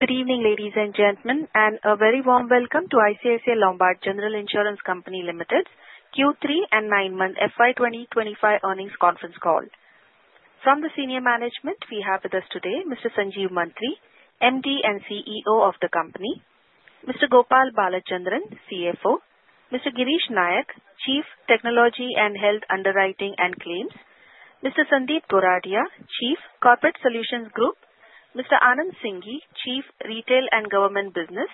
Good evening, ladies and gentlemen, and a very warm welcome to ICICI Lombard General Insurance Company Limited's Q3 and 9-month FY 2025 earnings conference call. From the senior management, we have with us today Mr. Sanjeev Mantri, MD and CEO of the company, Mr. Gopal Balachandran, CFO, Mr. Girish Nayak, Chief Technology and Health Underwriting and Claims, Mr. Sandeep Goradia, Chief Corporate Solutions Group, Mr. Anand Singhi, Chief Retail and Government Business,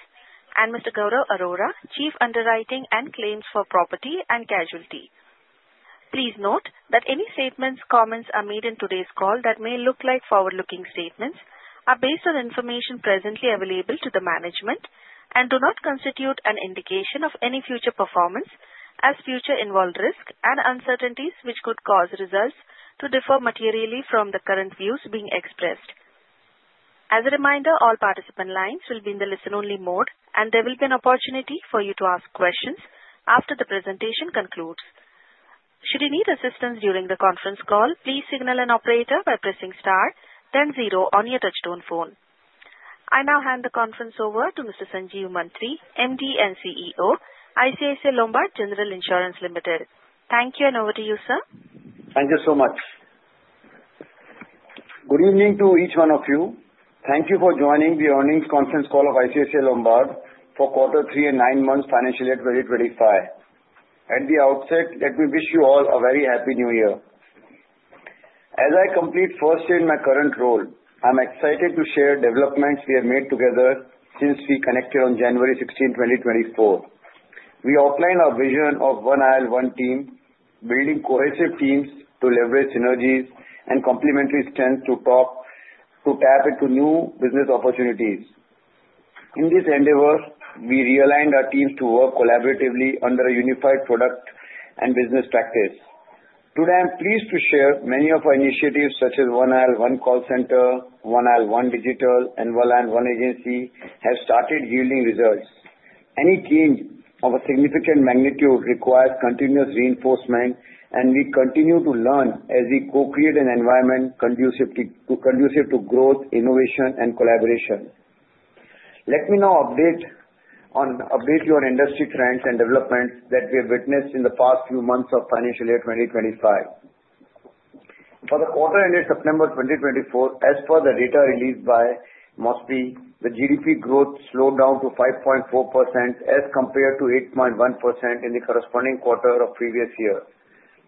and Mr. Gaurav Arora, Chief Underwriting and Claims for Property and Casualty. Please note that any statements, comments made in today's call that may look like forward-looking statements are based on information presently available to the management and do not constitute an indication of any future performance, as future involved risks and uncertainties which could cause results to differ materially from the current views being expressed. As a reminder, all participant lines will be in the listen-only mode, and there will be an opportunity for you to ask questions after the presentation concludes. Should you need assistance during the conference call, please signal an operator by pressing star, then zero on your touch-tone phone. I now hand the conference over to Mr. Sanjeev Mantri, MD and CEO, ICICI Lombard General Insurance Limited. Thank you, and over to you, sir. Thank you so much. Good evening to each one of you. Thank you for joining the earnings conference call of ICICI Lombard for Q3 and nine-month financial year 2025. At the outset, let me wish you all a very happy New Year. As I complete first year in my current role, I'm excited to share developments we have made together since we connected on January 16th, 2024. We outlined our vision of one ICICI, one team, building cohesive teams to leverage synergies and complementary strengths to tap into new business opportunities. In this endeavor, we realigned our teams to work collaboratively under a unified product and business practice. Today, I'm pleased to share many of our initiatives, such as one ICICI, one call center, one ICICI, one digital, and one ICICI, one agency have started yielding results. Any change of a significant magnitude requires continuous reinforcement, and we continue to learn as we co-create an environment conducive to growth, innovation, and collaboration. Let me now update you on industry trends and developments that we have witnessed in the past few months of financial year 2025. For the quarter-ending September 2024, as per the data released by MOSPI, the GDP growth slowed down to 5.4% as compared to 8.1% in the corresponding quarter of the previous year.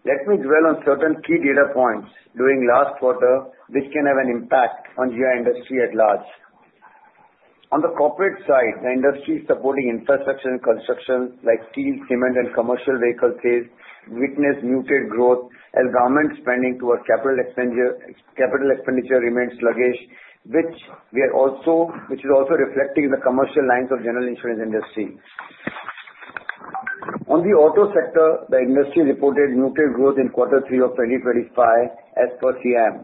Let me dwell on certain key data points during last quarter, which can have an impact on GI industry at large. On the corporate side, the industry supporting infrastructure and construction like steel, cement, and commercial vehicles has witnessed muted growth as government spending towards capital expenditure remains sluggish, which is also reflecting the commercial lines of the general insurance industry. On the auto sector, the industry reported muted growth in Q3 of 2025 as per SIAM.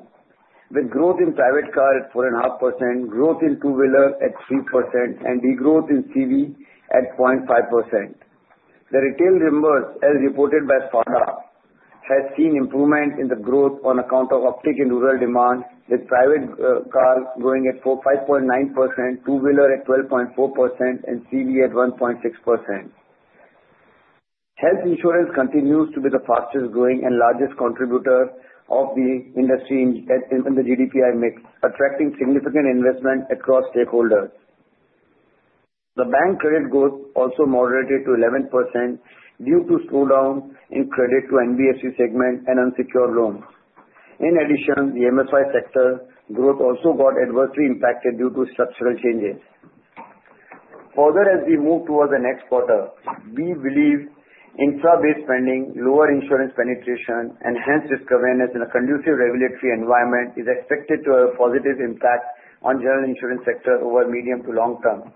With growth in private car at 4.5%, growth in two-wheeler at 3%, and degrowth in CV at 0.5%. The retail numbers, as reported by FADA, have seen improvement in the growth on account of uptick in rural demand, with private cars growing at 5.9%, two-wheeler at 12.4%, and CV at 1.6%. Health insurance continues to be the fastest growing and largest contributor of the industry in the GDPI mix, attracting significant investment across stakeholders. The bank credit growth also moderated to 11% due to slowdown in credit to NBFC segment and unsecured loans. In addition, the MSME sector growth also got adversely impacted due to structural changes. Further, as we move towards the next quarter, we believe infra-based spending, lower insurance penetration, and hence risk awareness in a conducive regulatory environment is expected to have a positive impact on the general insurance sector over medium to long term.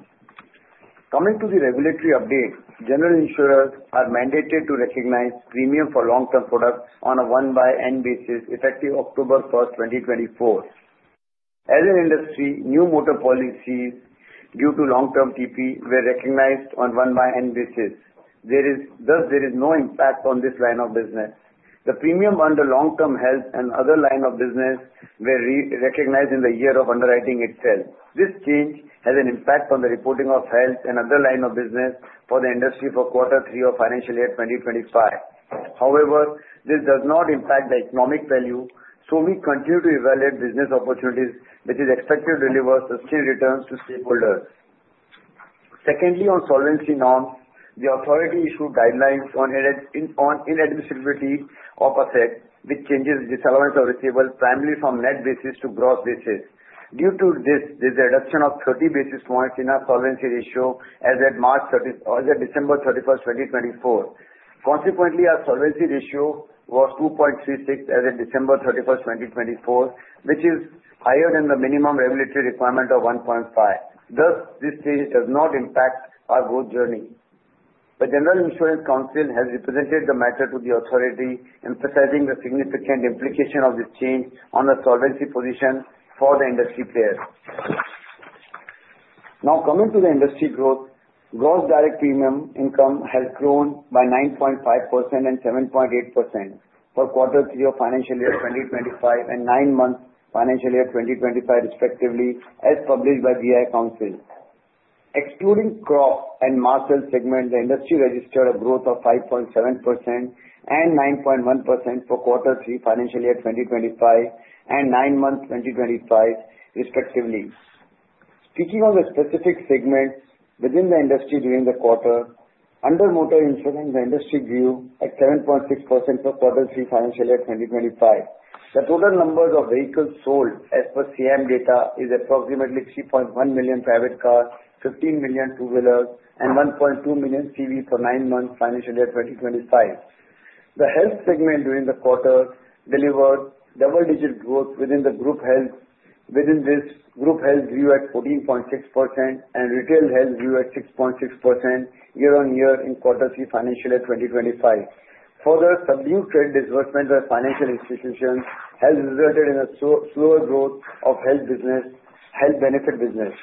Coming to the regulatory update, general insurers are mandated to recognize premium for long-term products on a 1/N basis effective October 1st, 2024. As an industry, new motor policies due to long-term TP were recognized on a 1/N basis. Thus, there is no impact on this line of business. The premium under long-term health and other line of business were recognized in the year of underwriting itself. This change has an impact on the reporting of health and other line of business for the industry for Q3 of financial year 2025. However, this does not impact the economic value, so we continue to evaluate business opportunities, which is expected to deliver sustained returns to stakeholders. Secondly, on solvency norms, the authority issued guidelines on inadmissibility of assets, which changes the classification of receivables primarily from net basis to gross basis. Due to this, there is a reduction of 30 basis points in our solvency ratio as at December 31st, 2024. Consequently, our solvency ratio was 2.36 as of December 31st, 2024, which is higher than the minimum regulatory requirement of 1.5. Thus, this change does not impact our growth journey. The General Insurance Council has represented the matter to the authority, emphasizing the significant implication of this change on the solvency position for the industry players. Now, coming to the industry growth, gross direct premium income has grown by 9.5% and 7.8% for Q3 of financial year 2025 and 9-month financial year 2025, respectively, as published by GI Council. Excluding crop and mass sales segment, the industry registered a growth of 5.7% and 9.1% for Q3 financial year 2025 and 9-month 2025, respectively. Speaking of the specific segments within the industry during the quarter, under motor insurance, the industry grew at 7.6% for Q3 financial year 2025. The total number of vehicles sold as per CIAM data is approximately 3.1 million private cars, 15 million two-wheelers, and 1.2 million CV for 9-month financial year 2025. The health segment during the quarter delivered double-digit growth within this group health view at 14.6% and retail health view at 6.6% year-on-year in Q3 financial year 2025. Further, subdued trade disbursements by financial institutions have resulted in a slower growth of health benefit business.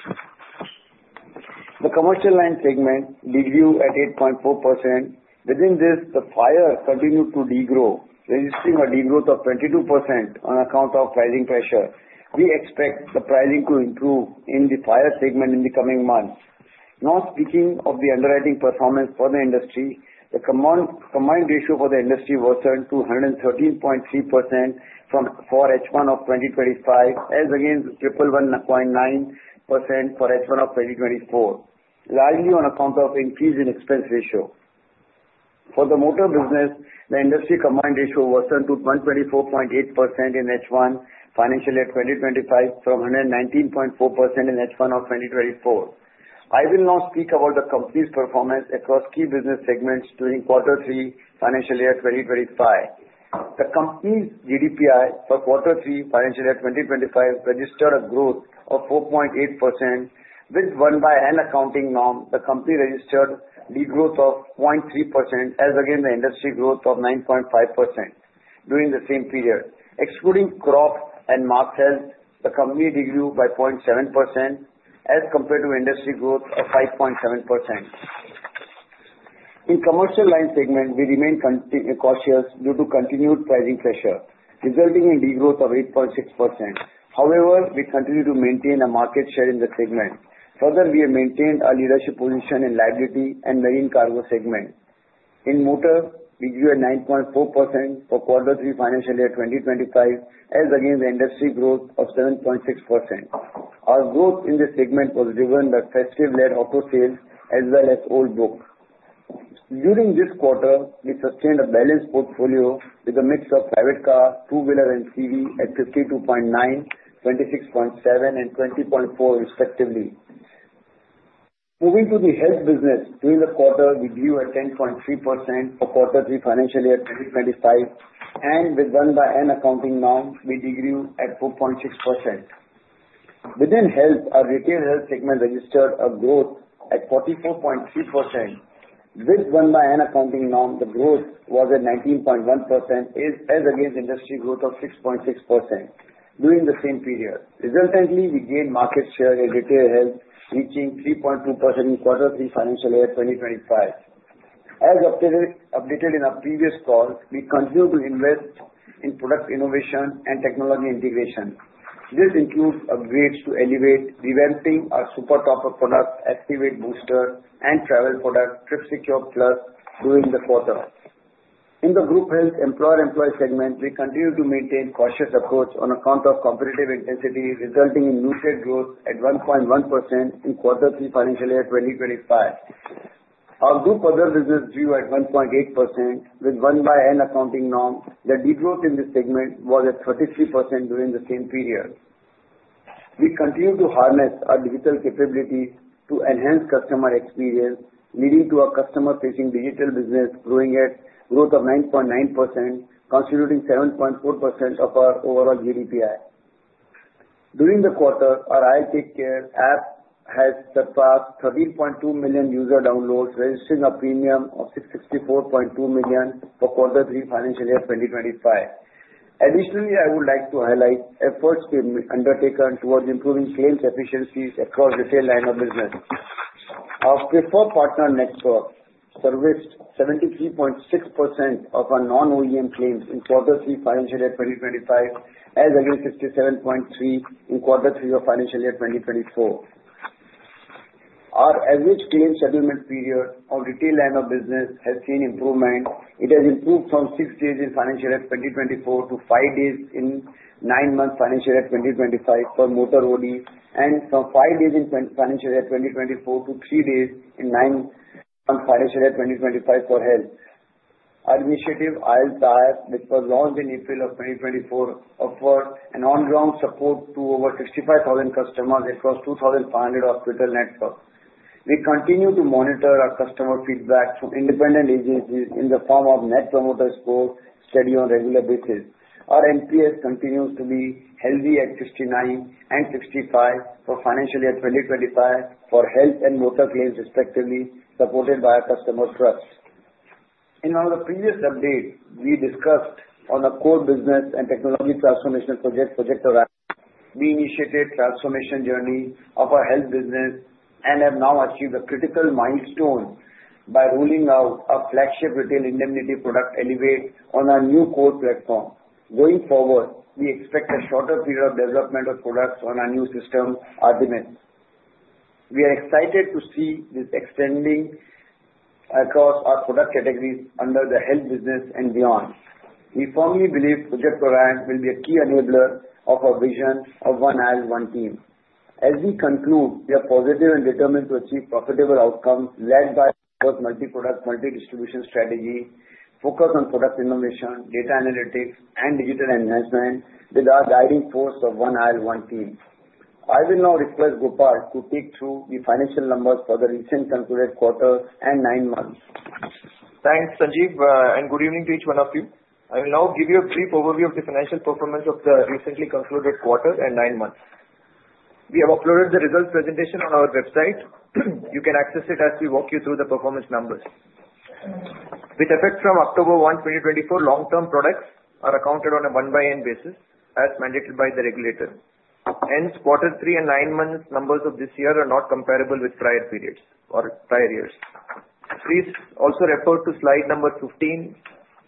The commercial line segment did grow at 8.4%. Within this, the Fire continued to degrow, registering a degrowth of 22% on account of pricing pressure. We expect the pricing to improve in the Fire segment in the coming months. Now, speaking of the underwriting performance for the industry, the combined ratio for the industry worsened to 113.3% for H1 of 2025, as against 111.9% for H1 of 2024, largely on account of increase in expense ratio. For the motor business, the industry combined ratio worsened to 124.8% in H1 financial year 2025 from 119.4% in H1 of 2024. I will now speak about the company's performance across key business segments during Q3 financial year 2025. The company's GDPI for Q3 financial year 2025 registered a growth of 4.8%. With one-by-end accounting norm, the company registered degrowth of 0.3%, as against the industry growth of 9.5% during the same period. Excluding crop and mass health, the company did grow by 0.7% as compared to industry growth of 5.7%. In commercial line segment, we remained cautious due to continued pricing pressure, resulting in degrowth of 8.6%. However, we continue to maintain a market share in the segment. Further, we have maintained our leadership position in liability and marine cargo segment. In motor, we grew at 9.4% for Q3 financial year 2025, as against the industry growth of 7.6%. Our growth in this segment was driven by festive-led auto sales as well as old book. During this quarter, we sustained a balanced portfolio with a mix of private car, two-wheeler, and CV at 52.9%, 26.7%, and 20.4%, respectively. Moving to the health business, during the quarter, we grew at 10.3% for Q3 financial year 2025, and with one-by-end accounting norm, we did grow at 4.6%. Within health, our retail health segment registered a growth at 44.3%. With one-by-end accounting norm, the growth was at 19.1%, as against industry growth of 6.6% during the same period. Resultantly, we gained market share in retail health, reaching 3.2% in Q3 financial year 2025. As updated in a previous call, we continue to invest in product innovation and technology integration. This includes upgrades to Elevate, revamping our super top-up product Activate Booster, and Travel product TripSecure Plus during the quarter. In the group health employer-employee segment, we continue to maintain a cautious approach on account of competitive intensity, resulting in muted growth at 1.1% in Q3 financial year 2025. Our group other business grew at 1.8% with one-by-end accounting norm. The degrowth in this segment was at 33% during the same period. We continue to harness our digital capabilities to enhance customer experience, leading to our customer-facing digital business growing at growth of 9.9%, constituting 7.4% of our overall GDPI. During the quarter, our ICICI app has surpassed 13.2 million user downloads, registering a premium of 664.2 million for Q3 financial year 2025. Additionally, I would like to highlight efforts undertaken towards improving claims efficiencies across retail line of business. Our preferred partner network serviced 73.6% of our non-OEM claims in Q3 financial year 2025, as against 67.3% in Q3 of financial year 2024. Our average claim settlement period of retail line of business has seen improvement. It has improved from six days in financial year 2024 to five days in nine months financial year 2025 for motor OD, and from five days in financial year 2024 to three days in nine months financial year 2025 for health. Our initiative, IL TakeCare, which was launched in April of 2024, offered an on-ground support to over 65,000 customers across 2,500 hospital networks. We continue to monitor our customer feedback from independent agencies in the form of net promoter scores studied on a regular basis. Our NPS continues to be healthy at 69 and 65 for financial year 2025 for health and motor claims, respectively, supported by our customer trusts. In one of the previous updates, we discussed our core business and technology transformation project. We initiated a transformation journey of our health business and have now achieved a critical milestone by rolling out a flagship retail indemnity product, Elevate, on our new core platform. Going forward, we expect a shorter period of development of products on our new system architecture. We are excited to see this extending across our product categories under the health business and beyond. We firmly believe Project Orion will be a key enabler of our vision of one ICICI, one team. As we conclude, we are positive and determined to achieve profitable outcomes led by our multi-product, multi-distribution strategy, focus on product innovation, data analytics, and digital enhancement with our guiding force of one ICICI, one team. I will now request Gopal to take through the financial numbers for the recently concluded quarter and nine months. Thanks, Sanjeev, and good evening to each one of you. I will now give you a brief overview of the financial performance of the recently concluded quarter and nine months. We have uploaded the results presentation on our website. You can access it as we walk you through the performance numbers. With effect from October 1, 2024, long-term products are accounted on a one-by-end basis as mandated by the regulator. Hence, Q3 and nine months numbers of this year are not comparable with prior periods or prior years. Please also refer to slide number 15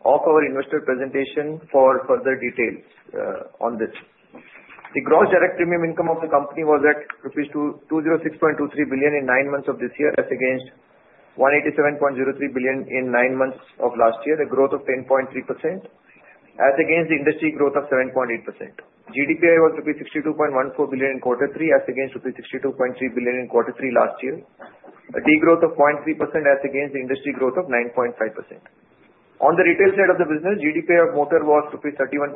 of our investor presentation for further details on this. The gross direct premium income of the company was at rupees 206.23 billion in nine months of this year, as against 187.03 billion in nine months of last year, a growth of 10.3%, as against the industry growth of 7.8%. GDPI was rupees 62.14 billion in Q3, as against rupees 62.3 billion in Q3 last year, a degrowth of 0.3%, as against the industry growth of 9.5%. On the retail side of the business, GDPI of motor was rupees 31.09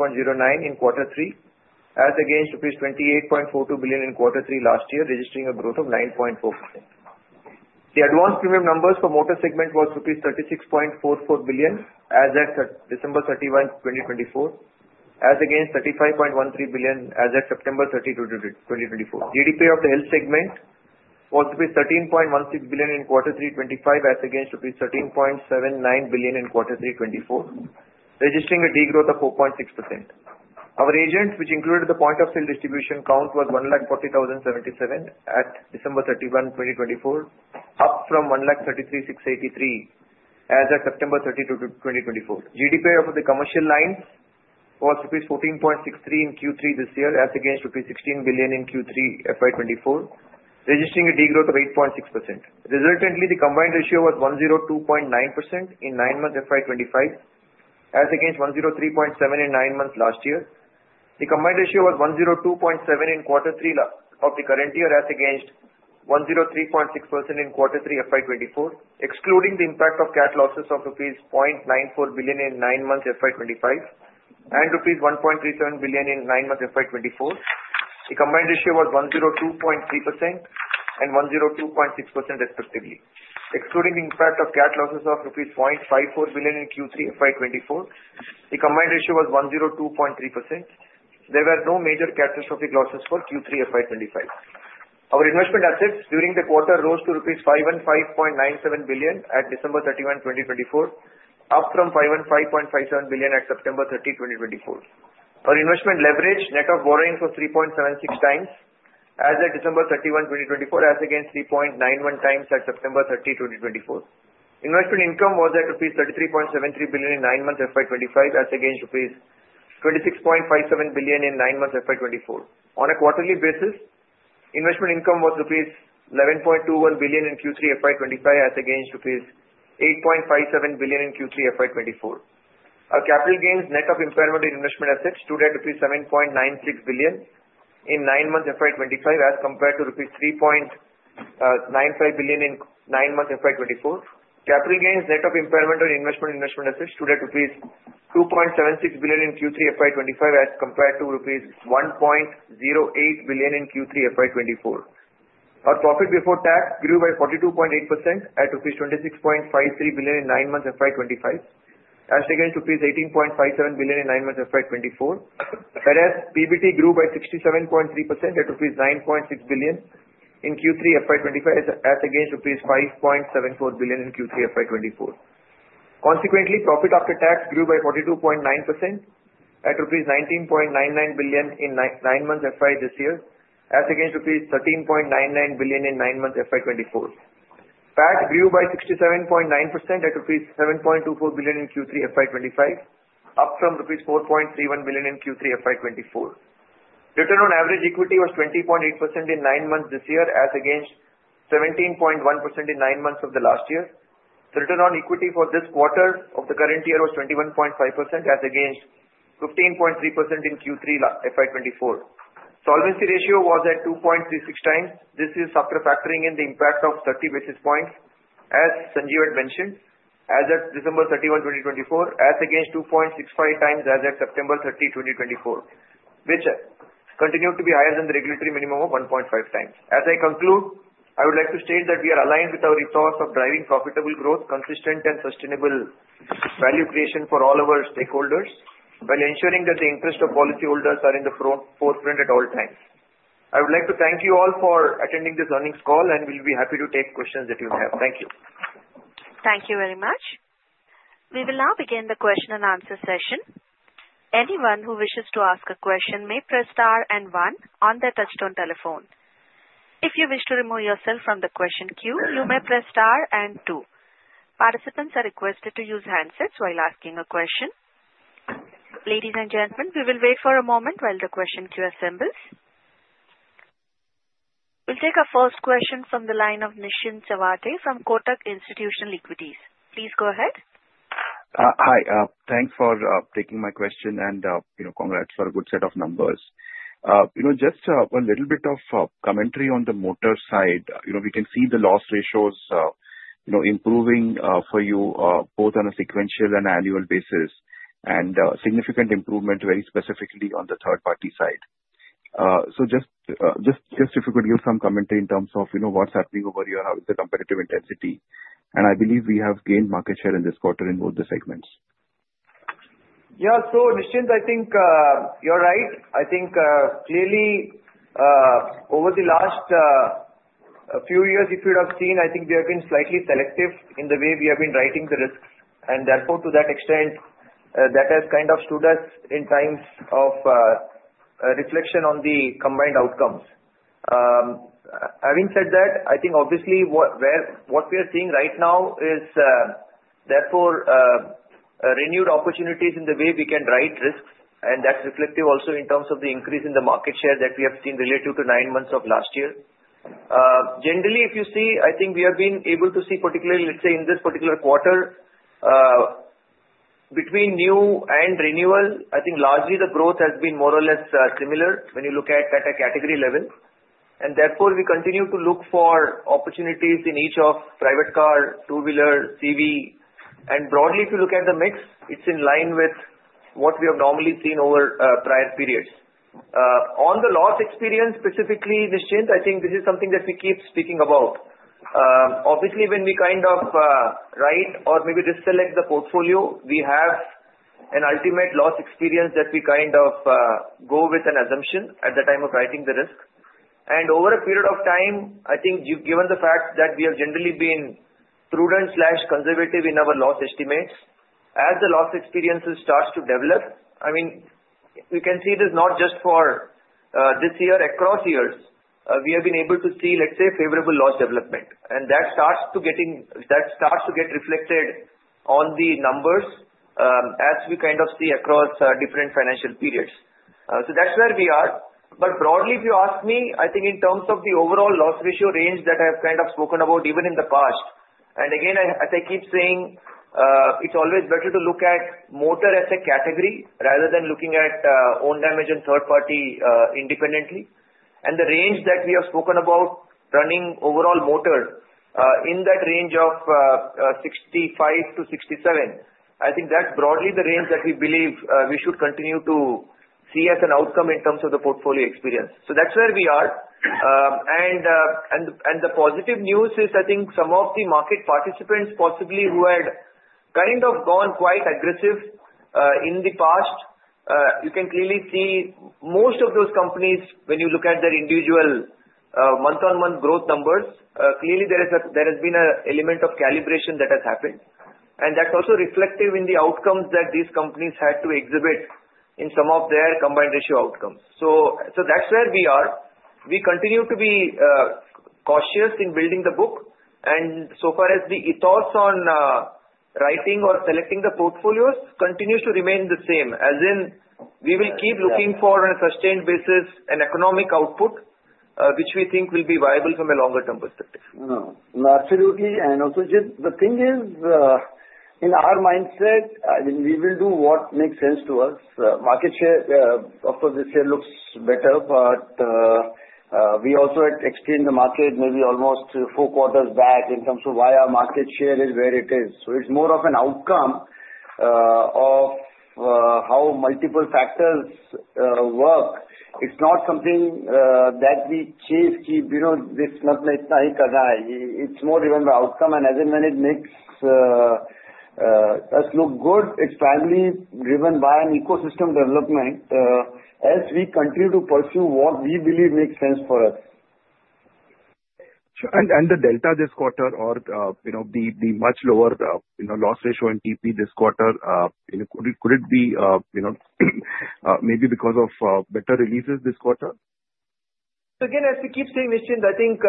in Q3, as against rupees 28.42 billion in Q3 last year, registering a growth of 9.4%. The advanced premium numbers for motor segment were rupees 36.44 billion as at December 31, 2024, as against 35.13 billion as at September 30, 2024. GDPI of the health segment was rupees 13.16 billion in Q3 25, as against rupees 13.79 billion in Q3 24, registering a degrowth of 4.6%. Our agents, which included the point-of-sale distribution count, were 140,077 at December 31, 2024, up from 133,683 as at September 30th, 2024. GDPI of the commercial lines was rupees 14.63 in Q3 this year, as against rupees 16 billion in Q3 FY 2024, registering a degrowth of 8.6%. Resultantly, the combined ratio was 102.9% in nine months FY 2025, as against 103.7% in nine months last year. The combined ratio was 102.7% in Q3 of the current year, as against 103.6% in Q3 FY 2024, excluding the impact of CAT losses of rupees 0.94 billion in nine months FY 2025 and rupees 1.37 billion in nine months FY 2024. The combined ratio was 102.3% and 102.6%, respectively, excluding the impact of CAT losses of rupees 0.54 billion in Q3 FY 2024. The combined ratio was 102.3%. There were no major catastrophic losses for Q3 FY 2025. Our investment assets during the quarter rose to rupees 515.97 billion at December 31, 2024, up from 515.57 billion at September 30, 2024. Our investment leverage net of borrowings was 3.76x as at December 31, 2024, as against 3.91x at September 30, 2024. Investment income was at rupees 33.73 billion in nine months FY 2025, as against rupees 26.57 billion in nine months FY 2024. On a quarterly basis, investment income was INR 11.21 billion in Q3 FY 2025, as against INR 8.57 billion in Q3 FY 2024. Our capital gains net of impairment on investment assets stood at rupees 7.96 billion in nine months FY 2025, as compared to rupees 3.95 billion in nine months FY 2024. Capital gains net of impairment on investment assets stood at 2.76 billion rupees in Q3 FY 2025, as compared to rupees 1.08 billion in Q3 FY 2024. Our profit before tax grew by 42.8% at INR 26.53 billion in nine months FY 2025, as against rupees 18.57 billion in nine months FY 2024. Whereas, PBT grew by 67.3% at rupees 9.6 billion in Q3 FY 2025, as against rupees 5.74 billion in Q3 FY 2024. Consequently, profit after tax grew by 42.9% at rupees 19.99 billion in nine months FY this year, as against rupees 13.99 billion in nine months FY 2024. PAT grew by 67.9% at rupees 7.24 billion in Q3 FY 2025, up from rupees 4.31 billion in Q3 FY 2024. Return on average equity was 20.8% in nine months this year, as against 17.1% in nine months of the last year. The return on equity for this quarter of the current year was 21.5%, as against 15.3% in Q3 FY 2024. Solvency ratio was at 2.36x. This is after factoring in the impact of 30 basis points, as Sanjeev had mentioned, as at December 31, 2024, as against 2.65x as at September 30, 2024, which continued to be higher than the regulatory minimum of 1.5x. As I conclude, I would like to state that we are aligned with our resource of driving profitable growth, consistent and sustainable value creation for all our stakeholders, while ensuring that the interest of policyholders are in the forefront at all times. I would like to thank you all for attending this earnings call, and we'll be happy to take questions that you have. Thank you. Thank you very much. We will now begin the question-and-answer session. Anyone who wishes to ask a question may press star and one on their touch-tone telephone. If you wish to remove yourself from the question queue, you may press star and two. Participants are requested to use handsets while asking a question. Ladies and gentlemen, we will wait for a moment while the question queue assembles. We'll take our first question from the line of Nischint Chawathe from Kotak Institutional Equities. Please go ahead. Hi. Thanks for taking my question and congrats for a good set of numbers. Just a little bit of commentary on the motor side. We can see the loss ratios improving for you both on a sequential and annual basis and significant improvement, very specifically on the third-party side. So just if you could give some commentary in terms of what's happening over here and how is the competitive intensity. And I believe we have gained market share in this quarter in both the segments. Yeah. So Nischint, I think you're right. I think clearly over the last few years, if you'd have seen, I think we have been slightly selective in the way we have been writing the risks. And therefore, to that extent, that has kind of stood us in times of reflection on the combined outcomes. Having said that, I think obviously what we are seeing right now is therefore renewed opportunities in the way we can write risks. And that's reflective also in terms of the increase in the market share that we have seen related to nine months of last year. Generally, if you see, I think we have been able to see particularly, let's say in this particular quarter, between new and renewal, I think largely the growth has been more or less similar when you look at a category level. And therefore, we continue to look for opportunities in each of private car, two-wheeler, CV. And broadly, if you look at the mix, it's in line with what we have normally seen over prior periods. On the loss experience, specifically, Nischint, I think this is something that we keep speaking about. Obviously, when we kind of write or maybe de-select the portfolio, we have an ultimate loss experience that we kind of go with an assumption at the time of writing the risk. And over a period of time, I think given the fact that we have generally been prudent conservative in our loss estimates, as the loss experience starts to develop, I mean, you can see this not just for this year, across years, we have been able to see, let's say, favorable loss development, and that starts to get reflected on the numbers as we kind of see across different financial periods, so that's where we are. But broadly, if you ask me, I think in terms of the overall loss ratio range that I have kind of spoken about even in the past, and again, as I keep saying, it's always better to look at motor as a category rather than looking at own damage and third-party independently. And the range that we have spoken about running overall motor in that range of 65-67, I think that's broadly the range that we believe we should continue to see as an outcome in terms of the portfolio experience. So that's where we are. And the positive news is, I think some of the market participants possibly who had kind of gone quite aggressive in the past, you can clearly see most of those companies, when you look at their individual month-on-month growth numbers, clearly there has been an element of calibration that has happened. And that's also reflective in the outcomes that these companies had to exhibit in some of their combined ratio outcomes. So that's where we are. We continue to be cautious in building the book. And so far as the ethos on writing or selecting the portfolios continues to remain the same, as in we will keep looking for, on a sustained basis, an economic output which we think will be viable from a longer-term perspective. Absolutely. And also, Jit, the thing is, in our mindset, we will do what makes sense to us. Market share, of course, this year looks better, but we also had exchanged the market maybe almost four quarters back in terms of why our market share is where it is. So it's more of an outcome of how multiple factors work. It's not something that we chase keep, this month needs to be done now. It's more driven by outcome, and as in when it makes us look good, it's primarily driven by an ecosystem development as we continue to pursue what we believe makes sense for us. And the delta this quarter or the much lower loss ratio in TP this quarter, could it be maybe because of better releases this quarter? So again, as we keep saying, Nischint, I think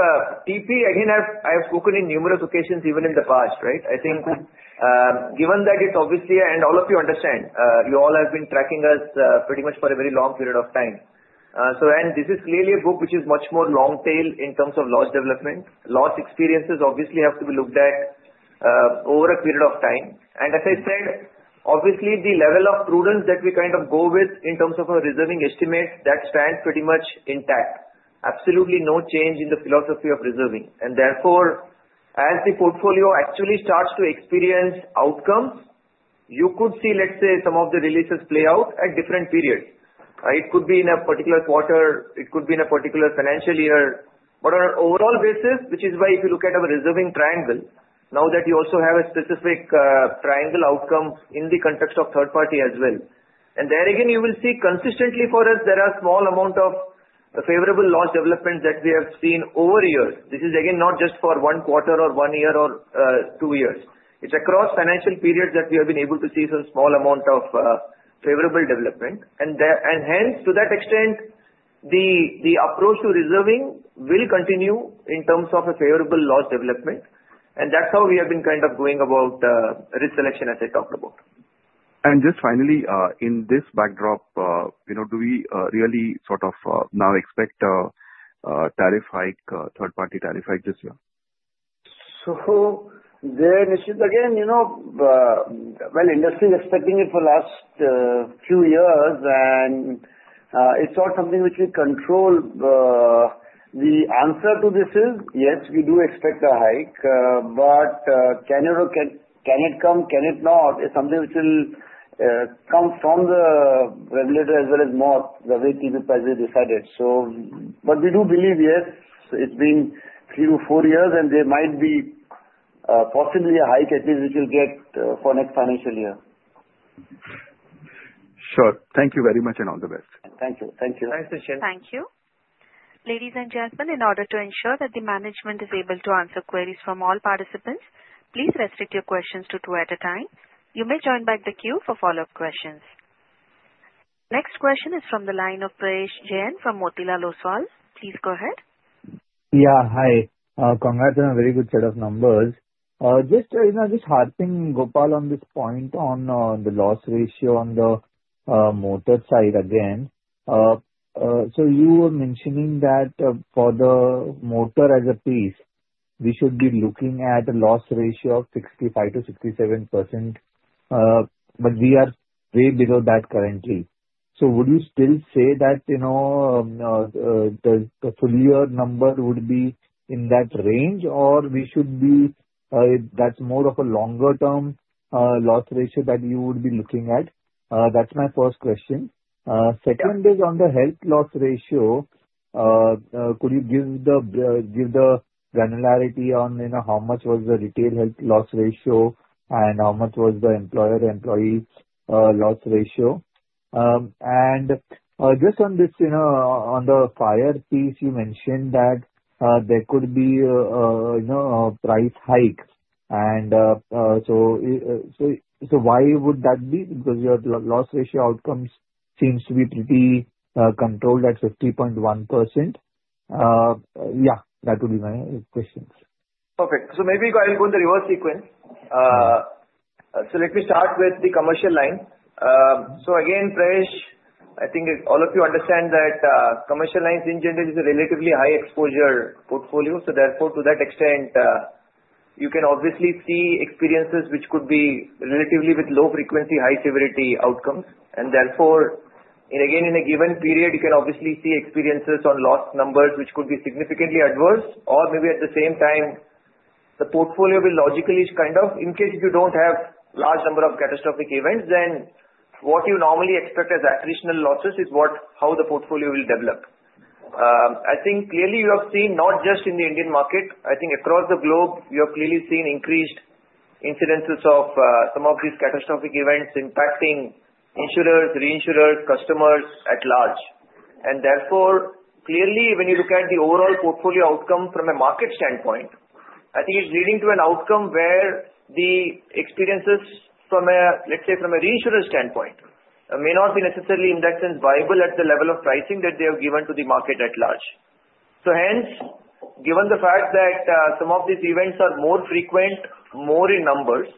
TP, again, I have spoken in numerous occasions even in the past, right? I think given that it's obviously, and all of you understand, you all have been tracking us pretty much for a very long period of time, and this is clearly a book which is much more long-tail in terms of loss development. Loss experiences obviously have to be looked at over a period of time. And as I said, obviously, the level of prudence that we kind of go with in terms of our reserving estimates, that stands pretty much intact. Absolutely no change in the philosophy of reserving. And therefore, as the portfolio actually starts to experience outcomes, you could see, let's say, some of the releases play out at different periods. It could be in a particular quarter. It could be in a particular financial year. But on an overall basis, which is why if you look at our reserving triangle, now that you also have a specific triangle outcome in the context of third-party as well. And there again, you will see consistently for us, there are small amounts of favorable loss developments that we have seen over years. This is again not just for one quarter or one year or two years. It's across financial periods that we have been able to see some small amount of favorable development. And hence, to that extent, the approach to reserving will continue in terms of a favorable loss development. And that's how we have been kind of going about reserving, as I talked about. And just finally, in this backdrop, do we really sort of now expect a tariff hike, third-party tariff hike this year? So there, Nischint, again, well, industry is expecting it for the last few years, and it's not something which we control. The answer to this is, yes, we do expect a hike. But can it come, can it not, is something which will come from the regulator as well as MOT, the way TP price decided. But we do believe, yes, it's been three to four years, and there might be possibly a hike at least which we'll get for next financial year. Sure. Thank you very much and all the best. Thank you. Thank you. Thanks, Nischint. Thank you. Ladies and gentlemen, in order to ensure that the management is able to answer queries from all participants, please restrict your questions to two at a time. You may join back the queue for follow-up questions. Next question is from the line of Prayesh Jain from Motilal Oswal. Please go ahead. Yeah. Hi. Congrats on a very good set of numbers. Just hearing, Gopal, on this point on the loss ratio on the motor side again. So you were mentioning that for the motor as a piece, we should be looking at a loss ratio of 65%-67%, but we are way below that currently. So would you still say that the full year number would be in that range, or we should be that's more of a longer-term loss ratio that you would be looking at? That's my first question. Second is on the health loss ratio, could you give the granularity on how much was the retail health loss ratio and how much was the employer-employee loss ratio? And just on the Fire piece, you mentioned that there could be a price hike. And so why would that be? Because your loss ratio outcomes seems to be pretty controlled at 50.1%. Yeah, that would be my question. Perfect. So maybe I'll go in the reverse sequence. So let me start with the commercial line. So again, Prayesh, I think all of you understand that commercial lines in general is a relatively high-exposure portfolio. So therefore, to that extent, you can obviously see experiences which could be relatively with low frequency, high severity outcomes. And therefore, again, in a given period, you can obviously see experiences on loss numbers which could be significantly adverse or maybe at the same time, the portfolio will logically kind of in case you don't have a large number of catastrophic events, then what you normally expect as attritional losses is how the portfolio will develop. I think clearly you have seen not just in the Indian market. I think across the globe, you have clearly seen increased incidences of some of these catastrophic events impacting insurers, reinsurers, customers at large. And therefore, clearly, when you look at the overall portfolio outcome from a market standpoint, I think it's leading to an outcome where the experiences from a, let's say, from a reinsurer standpoint may not be necessarily in that sense viable at the level of pricing that they have given to the market at large. So hence, given the fact that some of these events are more frequent, more in numbers,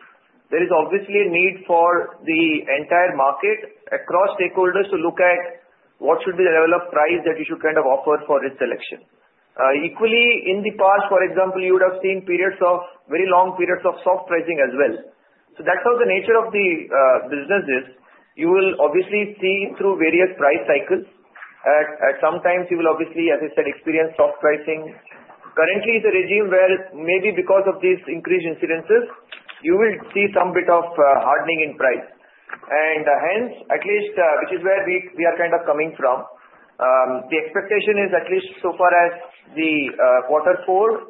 there is obviously a need for the entire market across stakeholders to look at what should be the level of price that you should kind of offer for reinsurance. Equally, in the past, for example, you would have seen periods of very long periods of soft pricing as well. So that's how the nature of the business is. You will obviously see through various price cycles. At some times, you will obviously, as I said, experience soft pricing. Currently, the regime where maybe because of these increased incidents, you will see some bit of hardening in price. And hence, at least, which is where we are kind of coming from, the expectation is at least so far as the quarter four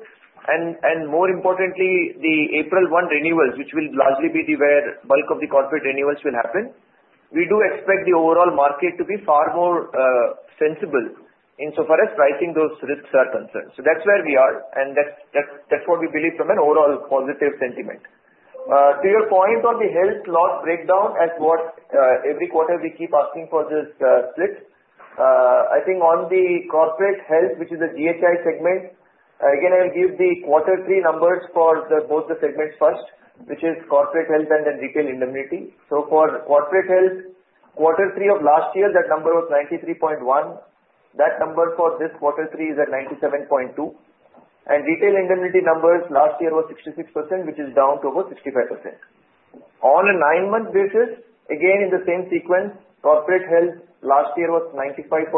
and more importantly, the April 1 renewals, which will largely be where bulk of the corporate renewals will happen, we do expect the overall market to be far more sensible insofar as pricing those risks are concerned. So that's where we are, and that's what we believe from an overall positive sentiment. To your point on the health loss breakdown, as what every quarter we keep asking for this split, I think on the corporate health, which is the GHI segment, again, I'll give the quarter three numbers for both the segments first, which is corporate health and then retail indemnity. So for corporate health, quarter three of last year, that number was 93.1. That number for this quarter three is at 97.2. And retail indemnity numbers last year was 66%, which is down to about 65%. On a nine-month basis, again, in the same sequence, corporate health last year was 95.8,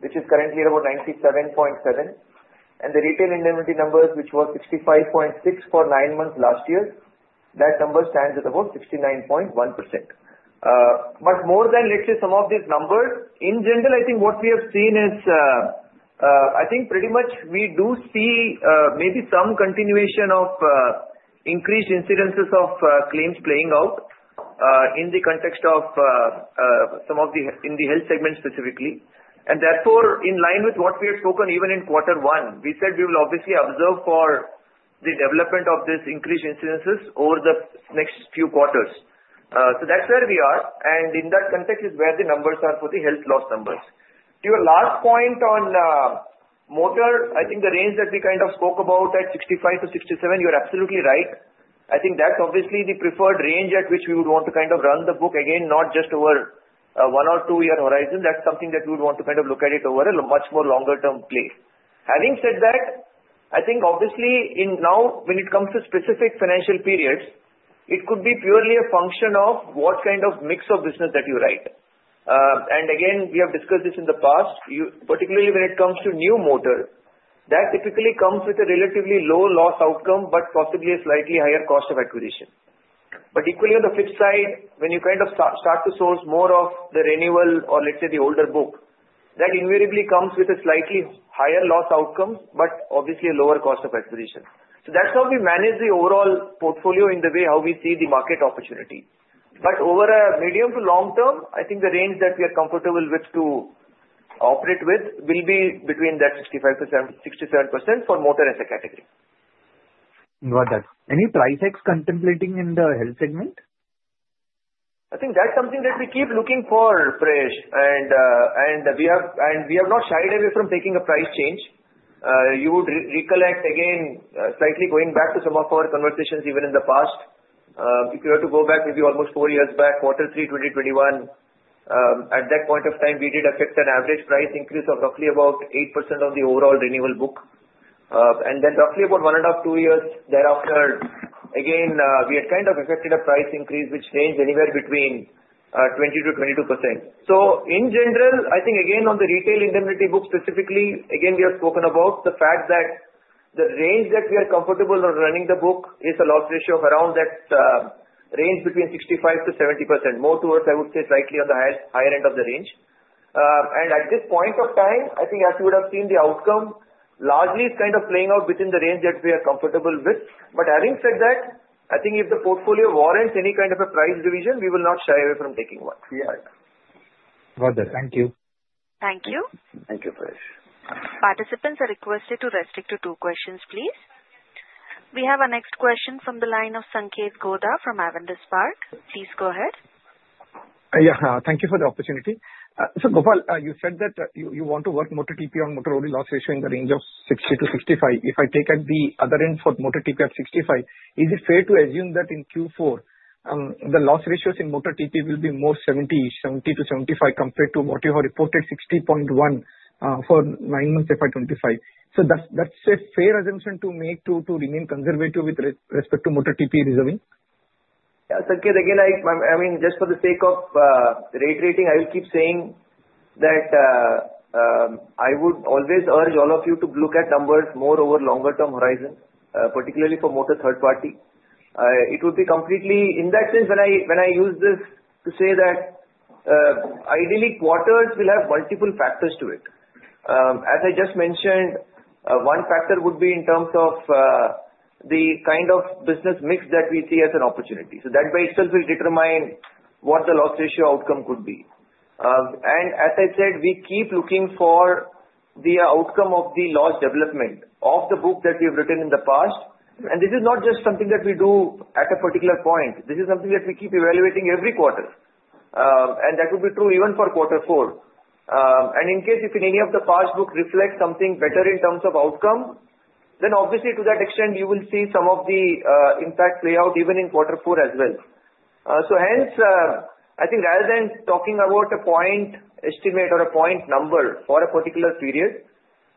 which is currently about 97.7. And the retail indemnity numbers, which was 65.6 for nine months last year, that number stands at about 69.1%. But more than, let's say, some of these numbers, in general, I think what we have seen is, I think pretty much we do see maybe some continuation of increased incidences of claims playing out in the context of some of them in the health segment specifically. Therefore, in line with what we had spoken even in quarter one, we said we will obviously observe for the development of these increased incidences over the next few quarters. That's where we are. In that context is where the numbers are for the health loss numbers. To your last point on motor, I think the range that we kind of spoke about at 65%-67%, you're absolutely right. I think that's obviously the preferred range at which we would want to kind of run the book, again, not just over a one or two-year horizon. That's something that we would want to kind of look at it over a much more longer-term play. Having said that, I think obviously now when it comes to specific financial periods, it could be purely a function of what kind of mix of business that you write. Again, we have discussed this in the past, particularly when it comes to new motor, that typically comes with a relatively low loss outcome but possibly a slightly higher cost of acquisition. But equally, on the flip side, when you kind of start to source more of the renewal or, let's say, the older book, that invariably comes with a slightly higher loss outcome but obviously a lower cost of acquisition. So that's how we manage the overall portfolio in the way how we see the market opportunity. But over a medium to long term, I think the range that we are comfortable with to operate with will be between 65%-67% for motor as a category. Got that. Any price hikes contemplating in the health segment? I think that's something that we keep looking for, Prayesh. We have not shied away from taking a price change. You would recollect, again, slightly going back to some of our conversations even in the past, if you were to go back maybe almost four years back, quarter three 2021, at that point of time, we did affect an average price increase of roughly about 8% on the overall renewal book. Then roughly about one and a half, two years thereafter, again, we had kind of affected a price increase which ranged anywhere between 20%-22%. So in general, I think again, on the retail indemnity book specifically, again, we have spoken about the fact that the range that we are comfortable on running the book is a loss ratio of around that range between 65%-70%, more towards, I would say, slightly on the higher end of the range. At this point of time, I think as you would have seen the outcome, largely it's kind of playing out within the range that we are comfortable with. But having said that, I think if the portfolio warrants any kind of a price revision, we will not shy away from taking one. Yeah. Got it. Thank you. Thank you. Thank you, Prayesh. Participants are requested to restrict to two questions, please. We have a next question from the line of Sanketh Godha from Avendus Spark. Please go ahead. Yeah. Thank you for the opportunity. So Gopal, you said that you want to work motor TP on motor OD loss ratio in the range of 60%-65%. If I take at the other end for motor TP at 65%, is it fair to assume that in Q4, the loss ratios in motor TP will be more 70%, 70%-75% compared to what you have reported 60.1 for nine months FY 2025? So that's a fair assumption to make to remain conservative with respect to motor TP reserving? Yeah. Sanketh, again, I mean, just for the sake of rate rating, I will keep saying that I would always urge all of you to look at numbers more over longer-term horizon, particularly for motor third-party. It would be completely in that sense, when I use this to say that ideally, quarters will have multiple factors to it. As I just mentioned, one factor would be in terms of the kind of business mix that we see as an opportunity. So that by itself will determine what the loss ratio outcome could be. And as I said, we keep looking for the outcome of the loss development of the book that we have written in the past. And this is not just something that we do at a particular point. This is something that we keep evaluating every quarter. And that would be true even for quarter four. And in case if any of the past book reflects something better in terms of outcome, then obviously to that extent, you will see some of the impact play out even in quarter four as well. So hence, I think rather than talking about a point estimate or a point number for a particular period,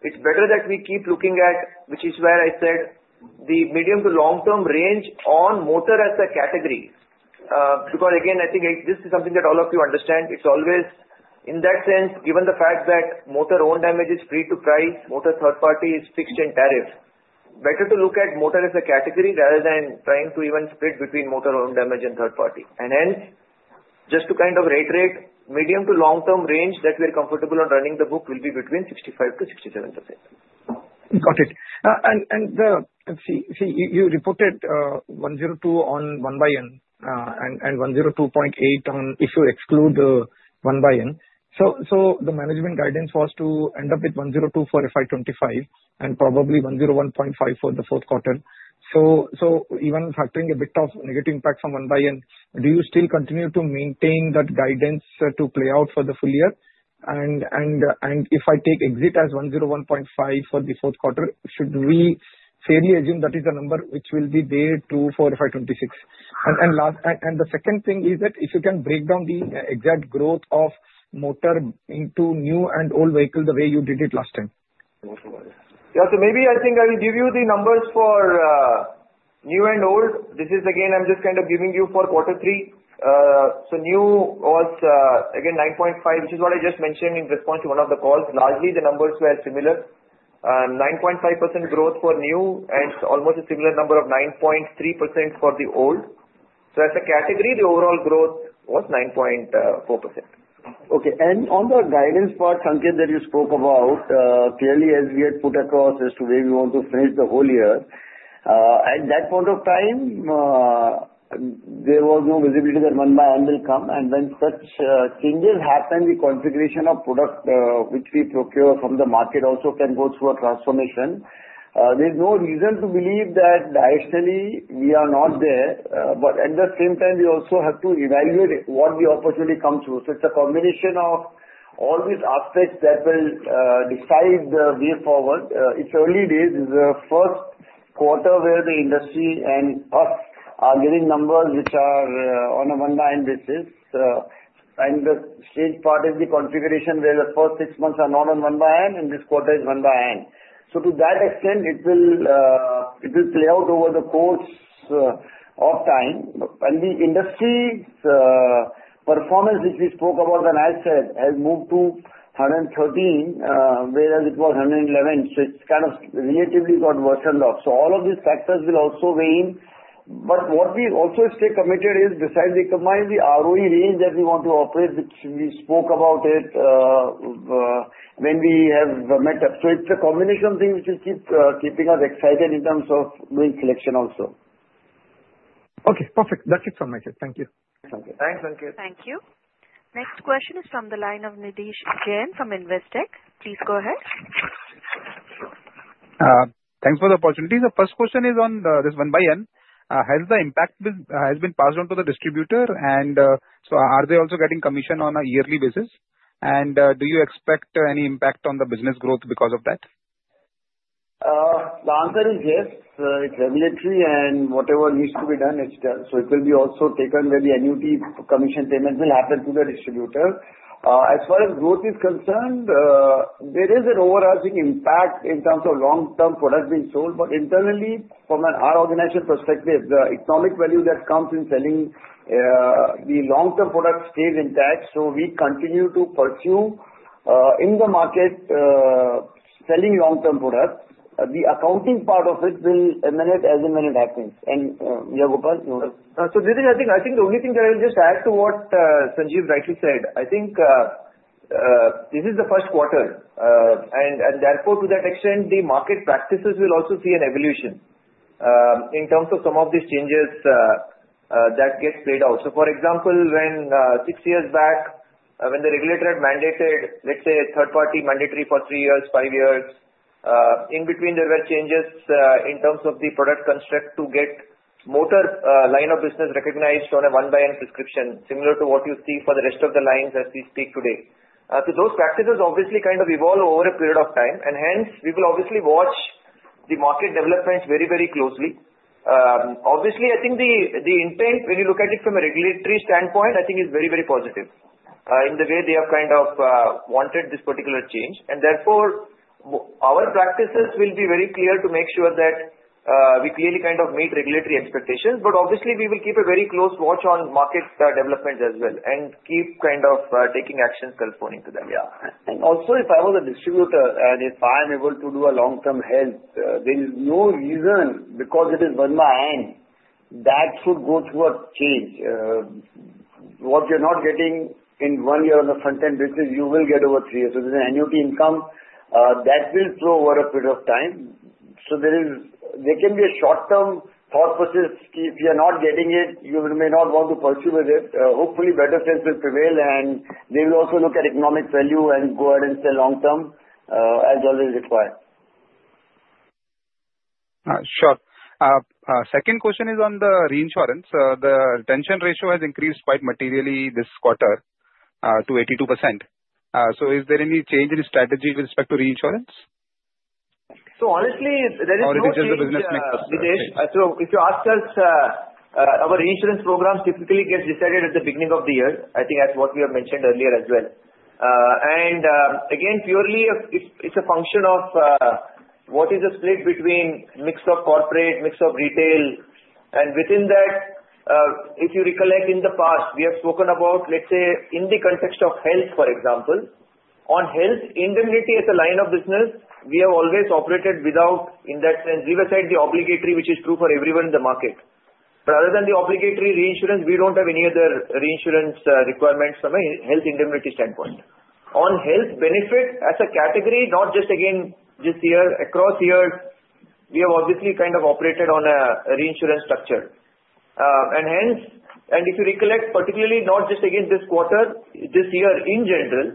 it's better that we keep looking at, which is where I said, the medium to long-term range on motor as a category. Because again, I think this is something that all of you understand. It's always in that sense, given the fact that motor own damage is free to price, motor third-party is fixed in tariff, better to look at motor as a category rather than trying to even split between motor own damage and third-party. And hence, just to kind of rate, medium to long-term range that we are comfortable on running the book will be between 65%-67%. Got it. And let's see. See, you reported 102 on one-by-one and 102.8 on if you exclude the one-by-one. So the management guidance was to end up with 102 for FY 2025 and probably 101.5 for the fourth quarter. So even factoring a bit of negative impact from one-by-one, do you still continue to maintain that guidance to play out for the full year? If I take exit as 101.5 for the fourth quarter, should we fairly assume that is the number which will be there true for FY 2026? The second thing is that if you can break down the exact growth of motor into new and old vehicle the way you did it last time. Yeah. Maybe I think I will give you the numbers for new and old. This is again, I'm just kind of giving you for quarter three. New was again 9.5, which is what I just mentioned in response to one of the calls. Largely, the numbers were similar. 9.5% growth for new and almost a similar number of 9.3% for the old. As a category, the overall growth was 9.4%. Okay. And on the guidance part, Sanketh, that you spoke about, clearly as we had put across as to where we want to finish the whole year, at that point of time, there was no visibility that one-by-one will come. And when such changes happen, the configuration of product which we procure from the market also can go through a transformation. There's no reason to believe that we are not there. But at the same time, we also have to evaluate what the opportunity comes through. So it's a combination of all these aspects that will decide the way forward. It's early days. It's the first quarter where the industry and us are getting numbers which are on a one-by-one basis. And the strange part is the configuration where the first six months are not on one-by-one, and this quarter is one-by-one. So to that extent, it will play out over the course of time. And the industry performance, which we spoke about, and I said, has moved to 113, whereas it was 111. So it's kind of relatively got worsened off. So all of these factors will also weigh in. But what we also stay committed is, besides the Combined Ratio range that we want to operate, which we spoke about it when we have met up. So it's a combination of things which is keeping us excited in terms of doing selection also. Okay. Perfect. That's it from my side. Thank you. Thanks, Sanketh. Thank you. Next question is from the line of Nidhesh Jain from Investec. Please go ahead. Thanks for the opportunity. So first question is on this one-by-one. Has the impact been passed on to the distributor? And so are they also getting commission on a yearly basis? And do you expect any impact on the business growth because of that? The answer is yes. It's regulatory, and whatever needs to be done, it's done. So it will be also taken where the annuity commission payment will happen to the distributor. As far as growth is concerned, there is an overarching impact in terms of long-term product being sold. But internally, from an ROE perspective, the economic value that comes in selling the long-term product stays intact. So we continue to pursue in the market selling long-term products. The accounting part of it will emanate as emanate happens. And yeah, Gopal, you want to? So Nidhesh, I think the only thing that I will just add to what Sanjeev rightly said. I think this is the first quarter. And therefore, to that extent, the market practices will also see an evolution in terms of some of these changes that get played out. So for example, six years back, when the regulator had mandated, let's say, third-party mandatory for three years, five years, in between, there were changes in terms of the product construct to get motor line of business recognized on a one-by-one prescription, similar to what you see for the rest of the lines as we speak today. So those practices obviously kind of evolve over a period of time. And hence, we will obviously watch the market development very, very closely. Obviously, I think the intent, when you look at it from a regulatory standpoint, I think is very, very positive in the way they have kind of wanted this particular change. And therefore, our practices will be very clear to make sure that we clearly kind of meet regulatory expectations. But obviously, we will keep a very close watch on market developments as well and keep kind of taking actions corresponding to that. Yeah. And also, if I was a distributor and if I am able to do a long-term health, there is no reason because it is one-by-one that should go through a change. What you're not getting in one year on the front-end basis, you will get over three years. So there's an annuity income that will throw over a period of time. So there can be a short-term thought process. If you are not getting it, you may not want to pursue with it. Hopefully, better sales will prevail, and they will also look at economic value and go ahead and sell long-term as well as required. Sure. Second question is on the reinsurance. The retention ratio has increased quite materially this quarter to 82%. So is there any change in strategy with respect to reinsurance? So honestly, there is no change. Nidhesh, so if you ask us, our reinsurance programs typically get decided at the beginning of the year, I think as what we have mentioned earlier as well. And again, purely, it's a function of what is the split between mix of corporate, mix of retail. And within that, if you recollect in the past, we have spoken about, let's say, in the context of health, for example, on health indemnity as a line of business, we have always operated without, in that sense, we've assigned the obligatory, which is true for everyone in the market. But other than the obligatory reinsurance, we don't have any other reinsurance requirements from a health indemnity standpoint. On health benefit as a category, not just again this year, across years, we have obviously kind of operated on a reinsurance structure. And if you recollect, particularly not just against this quarter, this year in general,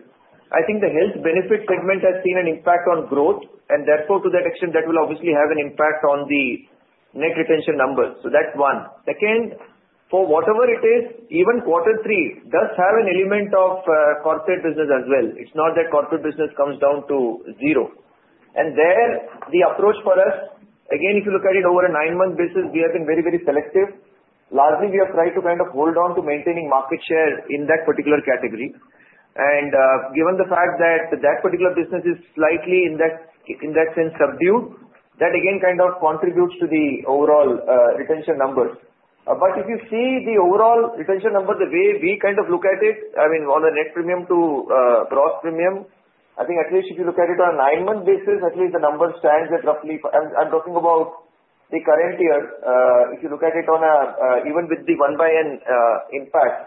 I think the health benefit segment has seen an impact on growth. And therefore, to that extent, that will obviously have an impact on the net retention numbers. So that's one. Second, for whatever it is, even quarter three does have an element of corporate business as well. It's not that corporate business comes down to zero. And there, the approach for us, again, if you look at it over a nine-month basis, we have been very, very selective. Largely, we have tried to kind of hold on to maintaining market share in that particular category. Given the fact that that particular business is slightly in that sense subdued, that again kind of contributes to the overall retention numbers. But if you see the overall retention number, the way we kind of look at it, I mean, on the net premium to gross premium, I think at least if you look at it on a nine-month basis, at least the number stands at roughly. I'm talking about the current year. If you look at it even with the one-by-one impact,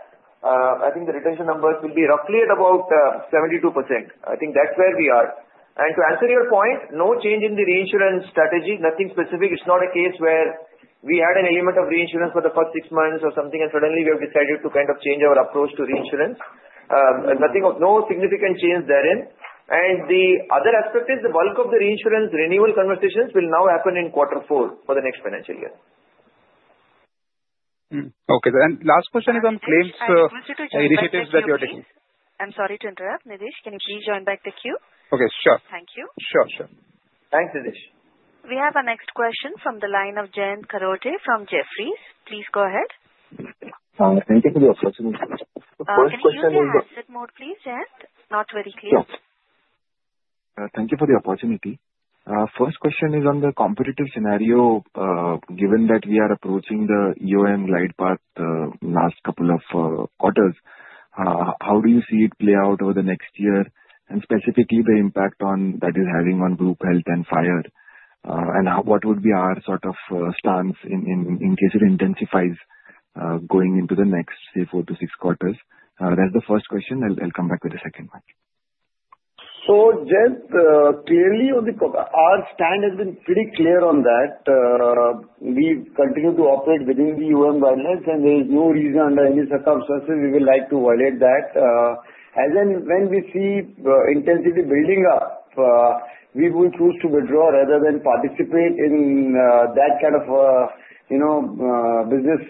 I think the retention numbers will be roughly at about 72%. I think that's where we are. And to answer your point, no change in the reinsurance strategy, nothing specific. It's not a case where we had an element of reinsurance for the first six months or something, and suddenly we have decided to kind of change our approach to reinsurance. No significant change therein. And the other aspect is the bulk of the reinsurance renewal conversations will now happen in quarter four for the next financial year. Okay. And last question is on claims initiatives that you are taking. I'm sorry to interrupt. Nidhesh, can you please join back the queue? Okay. Sure. Thank you. Sure. Sure. Thanks, Nidhesh. We have a next question from the line of Jayant Kharote from Jefferies. Please go ahead. Thank you for the opportunity. First question is on Investech mode, please, Jayan. Not very clear. Thank you for the opportunity. First question is on the competitive scenario. Given that we are approaching the EOM glide path last couple of quarters, how do you see it play out over the next year? And specifically, the impact that is having on group health and Fire. And what would be our sort of stance in case it intensifies going into the next four to six quarters? That's the first question. I'll come back with the second one. So Jayant, clearly our stance has been pretty clear on that. We continue to operate within the EOM guidelines, and there is no reason under any circumstances we would like to violate that. As and when we see intensity building up, we will choose to withdraw rather than participate in that kind of business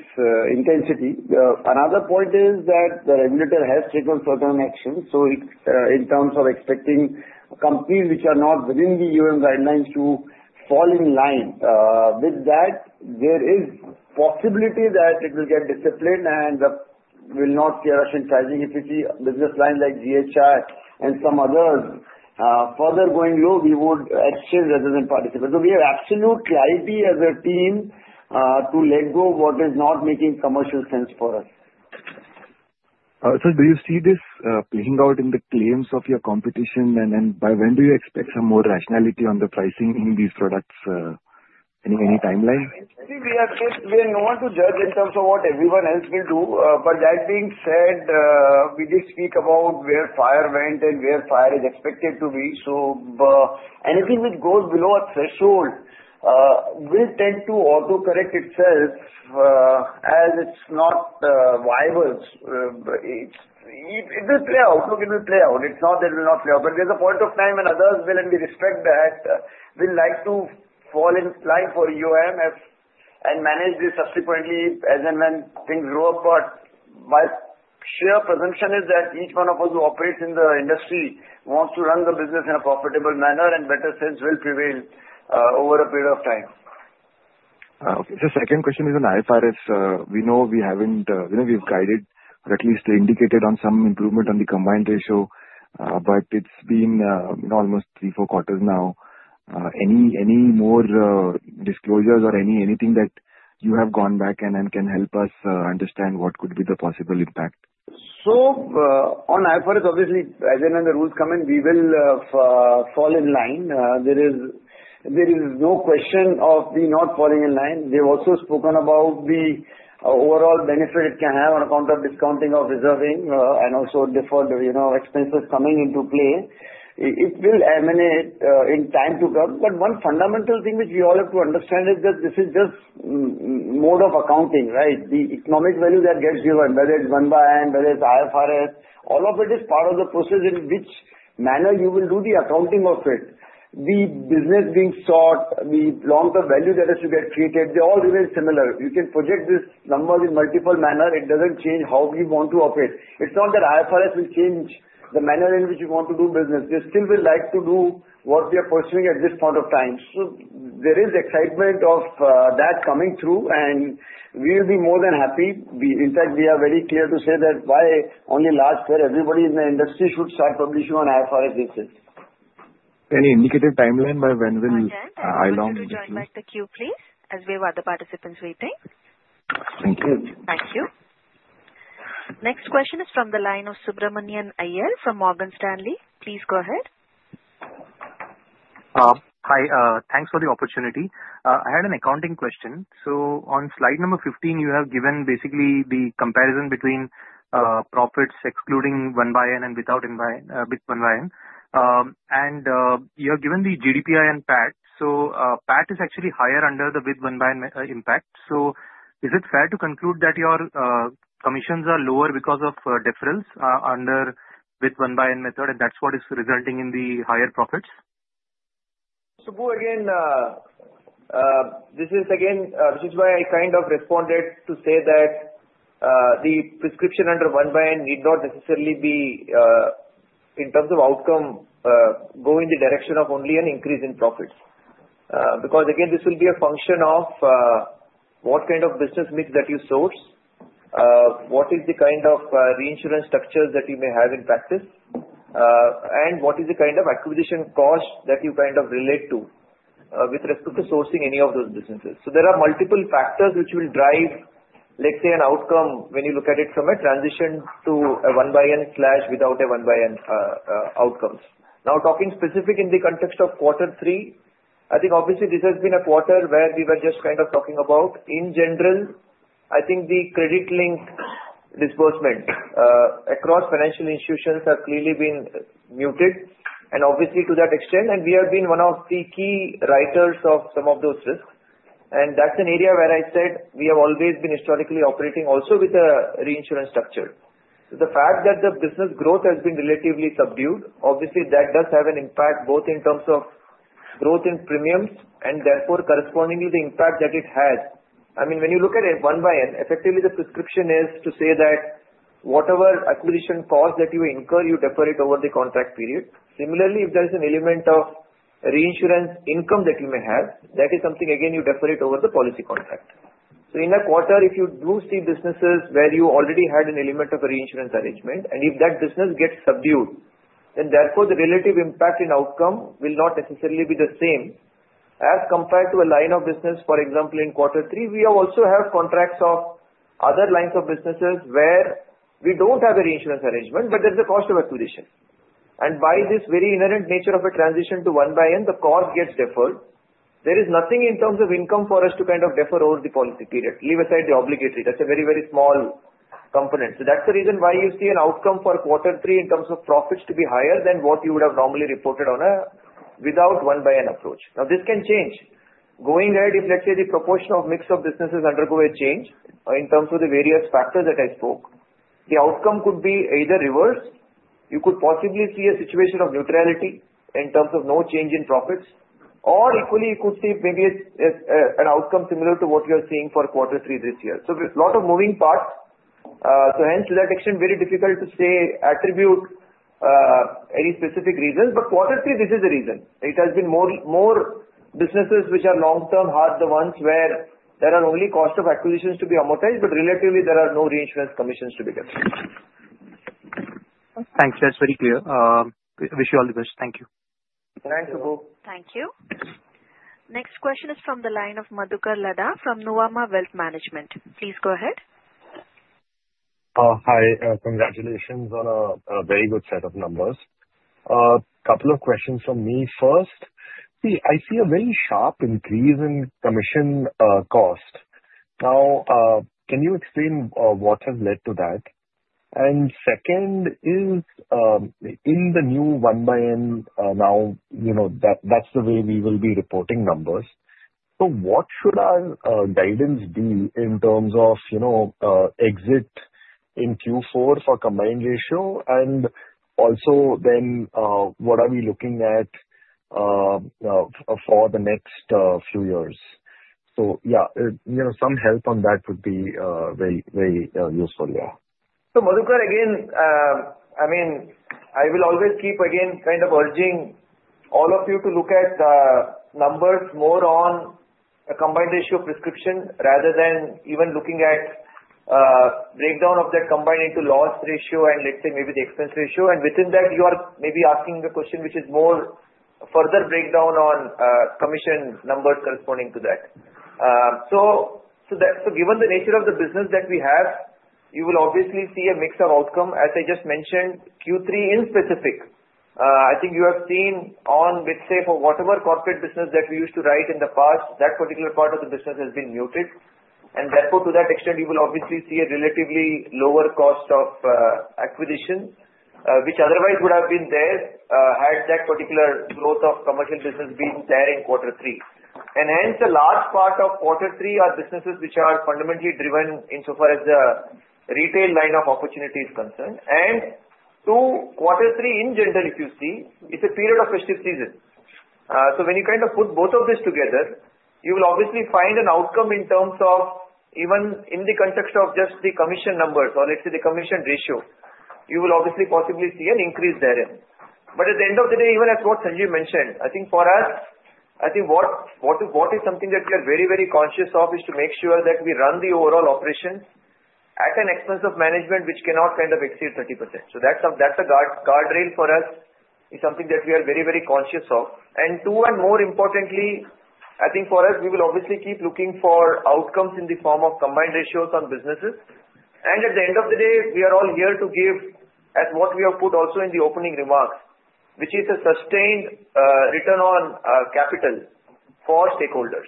intensity. Another point is that the regulator has taken certain actions. So in terms of expecting companies which are not within the EOM guidelines to fall in line, with that, there is possibility that it will get disciplined and will not see a rush in pricing. If you see business lines like GHI and some others further going low, we would exit rather than participate. So we have absolute clarity as a team to let go of what is not making commercial sense for us. So do you see this playing out in the claims of your competition? And by when do you expect some more rationality on the pricing in these products? Any timeline? We are not to judge in terms of what everyone else will do. But that being said, we did speak about where fire went and where fire is expected to be. So anything which goes below a threshold will tend to autocorrect itself as it's not viable. It will play out. It will play out. It's not that it will not play out. But there's a point of time when others will, and we respect that, will like to fall in line for EOM and manage this subsequently as and when things grow up. But my sheer presumption is that each one of us who operates in the industry wants to run the business in a profitable manner, and better sales will prevail over a period of time. Okay. The second question is on IFRS. We know we haven't. We know we've guided, or at least indicated, on some improvement on the combined ratio. But it's been almost three, four quarters now. Any more disclosures or anything that you have gone back and can help us understand what could be the possible impact? So on IFRS, obviously, as and when the rules come in, we will fall in line. There is no question of me not falling in line. We have also spoken about the overall benefit it can have on account of discounting of reserving and also deferred expenses coming into play. It will emanate in time to come. But one fundamental thing which we all have to understand is that this is just mode of accounting, right? The economic value that gets given, whether it's one-by-one, whether it's IFRS, all of it is part of the process in which manner you will do the accounting of it. The business being sought, the long-term value that has to get created, they all remain similar. You can project this number in multiple manners. It doesn't change how we want to operate. It's not that IFRS will change the manner in which we want to do business. We still will like to do what we are pursuing at this point of time. So there is excitement of that coming through, and we will be more than happy. In fact, we are very clear to say that why only large players everybody in the industry should start publishing on IFRS basis. Any indicative timeline by when will ILOM? And Nidhesh, would you like the queue, please, as we have other participants waiting? Thank you. Thank you. Next question is from the line of Subramanian Iyer from Morgan Stanley. Please go ahead. Hi. Thanks for the opportunity. I had an accounting question. So on slide number 15, you have given basically the comparison between profits excluding one-by-one and without one-by-one. And you have given the GDPI and PAT. So PAT is actually higher under the with one-by-one impact. So is it fair to conclude that your commissions are lower because of deferrals under with one-by-one method, and that's what is resulting in the higher profits? So again, this is which is why I kind of responded to say that the prescription under one-by-one need not necessarily be in terms of outcome going in the direction of only an increase in profits. Because again, this will be a function of what kind of business mix that you source, what is the kind of reinsurance structures that you may have in practice, and what is the kind of acquisition cost that you kind of relate to with respect to sourcing any of those businesses. So there are multiple factors which will drive, let's say, an outcome when you look at it from a transition to a one-by-one slash without a one-by-one outcomes. Now, talking specific in the context of quarter three, I think obviously this has been a quarter where we were just kind of talking about. In general, I think the credit-linked disbursement across financial institutions has clearly been muted. And obviously, to that extent, and we have been one of the key writers of some of those risks. That's an area where I said we have always been historically operating also with a reinsurance structure. The fact that the business growth has been relatively subdued, obviously that does have an impact both in terms of growth in premiums and therefore correspondingly the impact that it has. I mean, when you look at it one-by-one, effectively the prescription is to say that whatever acquisition cost that you incur, you defer it over the contract period. Similarly, if there is an element of reinsurance income that you may have, that is something again you defer it over the policy contract. So in a quarter, if you do see businesses where you already had an element of a reinsurance arrangement, and if that business gets subdued, then therefore the relative impact in outcome will not necessarily be the same as compared to a line of business. For example, in quarter three, we also have contracts of other lines of businesses where we don't have a reinsurance arrangement, but there's a cost of acquisition. And by this very inherent nature of a transition to one-by-one, the cost gets deferred. There is nothing in terms of income for us to kind of defer over the policy period, leave aside the obligatory. That's a very, very small component. So that's the reason why you see an outcome for quarter three in terms of profits to be higher than what you would have normally reported on a without one-by-one approach. Now, this can change. Going ahead, if let's say the proportion of mix of businesses undergo a change in terms of the various factors that I spoke, the outcome could be either reversed. You could possibly see a situation of neutrality in terms of no change in profits. Or equally, you could see maybe an outcome similar to what you are seeing for quarter three this year. So a lot of moving parts. So hence, to that extent, very difficult to say attribute any specific reasons. But quarter three, this is the reason. It has been more businesses which are long-term hard the ones where there are only cost of acquisitions to be amortized, but relatively there are no reinsurance commissions to be given. Thanks. That's very clear. Wish you all the best. Thank you. Thanks, Subhu. Thank you. Next question is from the line of Madhukar Ladha from Nuvama Wealth Management. Please go ahead. Hi. Congratulations on a very good set of numbers. A couple of questions from me first. See, I see a very sharp increase in commission cost. Now, can you explain what has led to that? Second is in the new one-by-one now. That's the way we will be reporting numbers. What should our guidance be in terms of exit in Q4 for combined ratio? Also then, what are we looking at for the next few years? Yeah, some help on that would be very useful. Yeah. Madhukar, again, I mean, I will always keep again kind of urging all of you to look at numbers more on a combined ratio perspective rather than even looking at breakdown of that combined into loss ratio and let's say maybe the expense ratio. Within that, you are maybe asking the question which is more further breakdown on commission numbers corresponding to that. Given the nature of the business that we have, you will obviously see a mix of outcome. As I just mentioned, Q3 in specific, I think you have seen on, let's say, for whatever corporate business that we used to write in the past, that particular part of the business has been muted, and therefore, to that extent, you will obviously see a relatively lower cost of acquisition, which otherwise would have been there had that particular growth of commercial business been there in quarter three, and hence, a large part of quarter three are businesses which are fundamentally driven insofar as the retail line of opportunity is concerned, and to quarter three in general, if you see, it's a period of festive season, so when you kind of put both of these together, you will obviously find an outcome in terms of even in the context of just the commission numbers or let's say the commission ratio, you will obviously possibly see an increase therein. But at the end of the day, even as what Sanjeev mentioned, I think for us, I think what is something that we are very, very conscious of is to make sure that we run the overall operations at an expense of management which cannot kind of exceed 30%. So that's a guardrail for us. It's something that we are very, very conscious of. And too and more importantly, I think for us, we will obviously keep looking for outcomes in the form of combined ratios on businesses. And at the end of the day, we are all here to give, as what we have put also in the opening remarks, which is a sustained return on capital for stakeholders.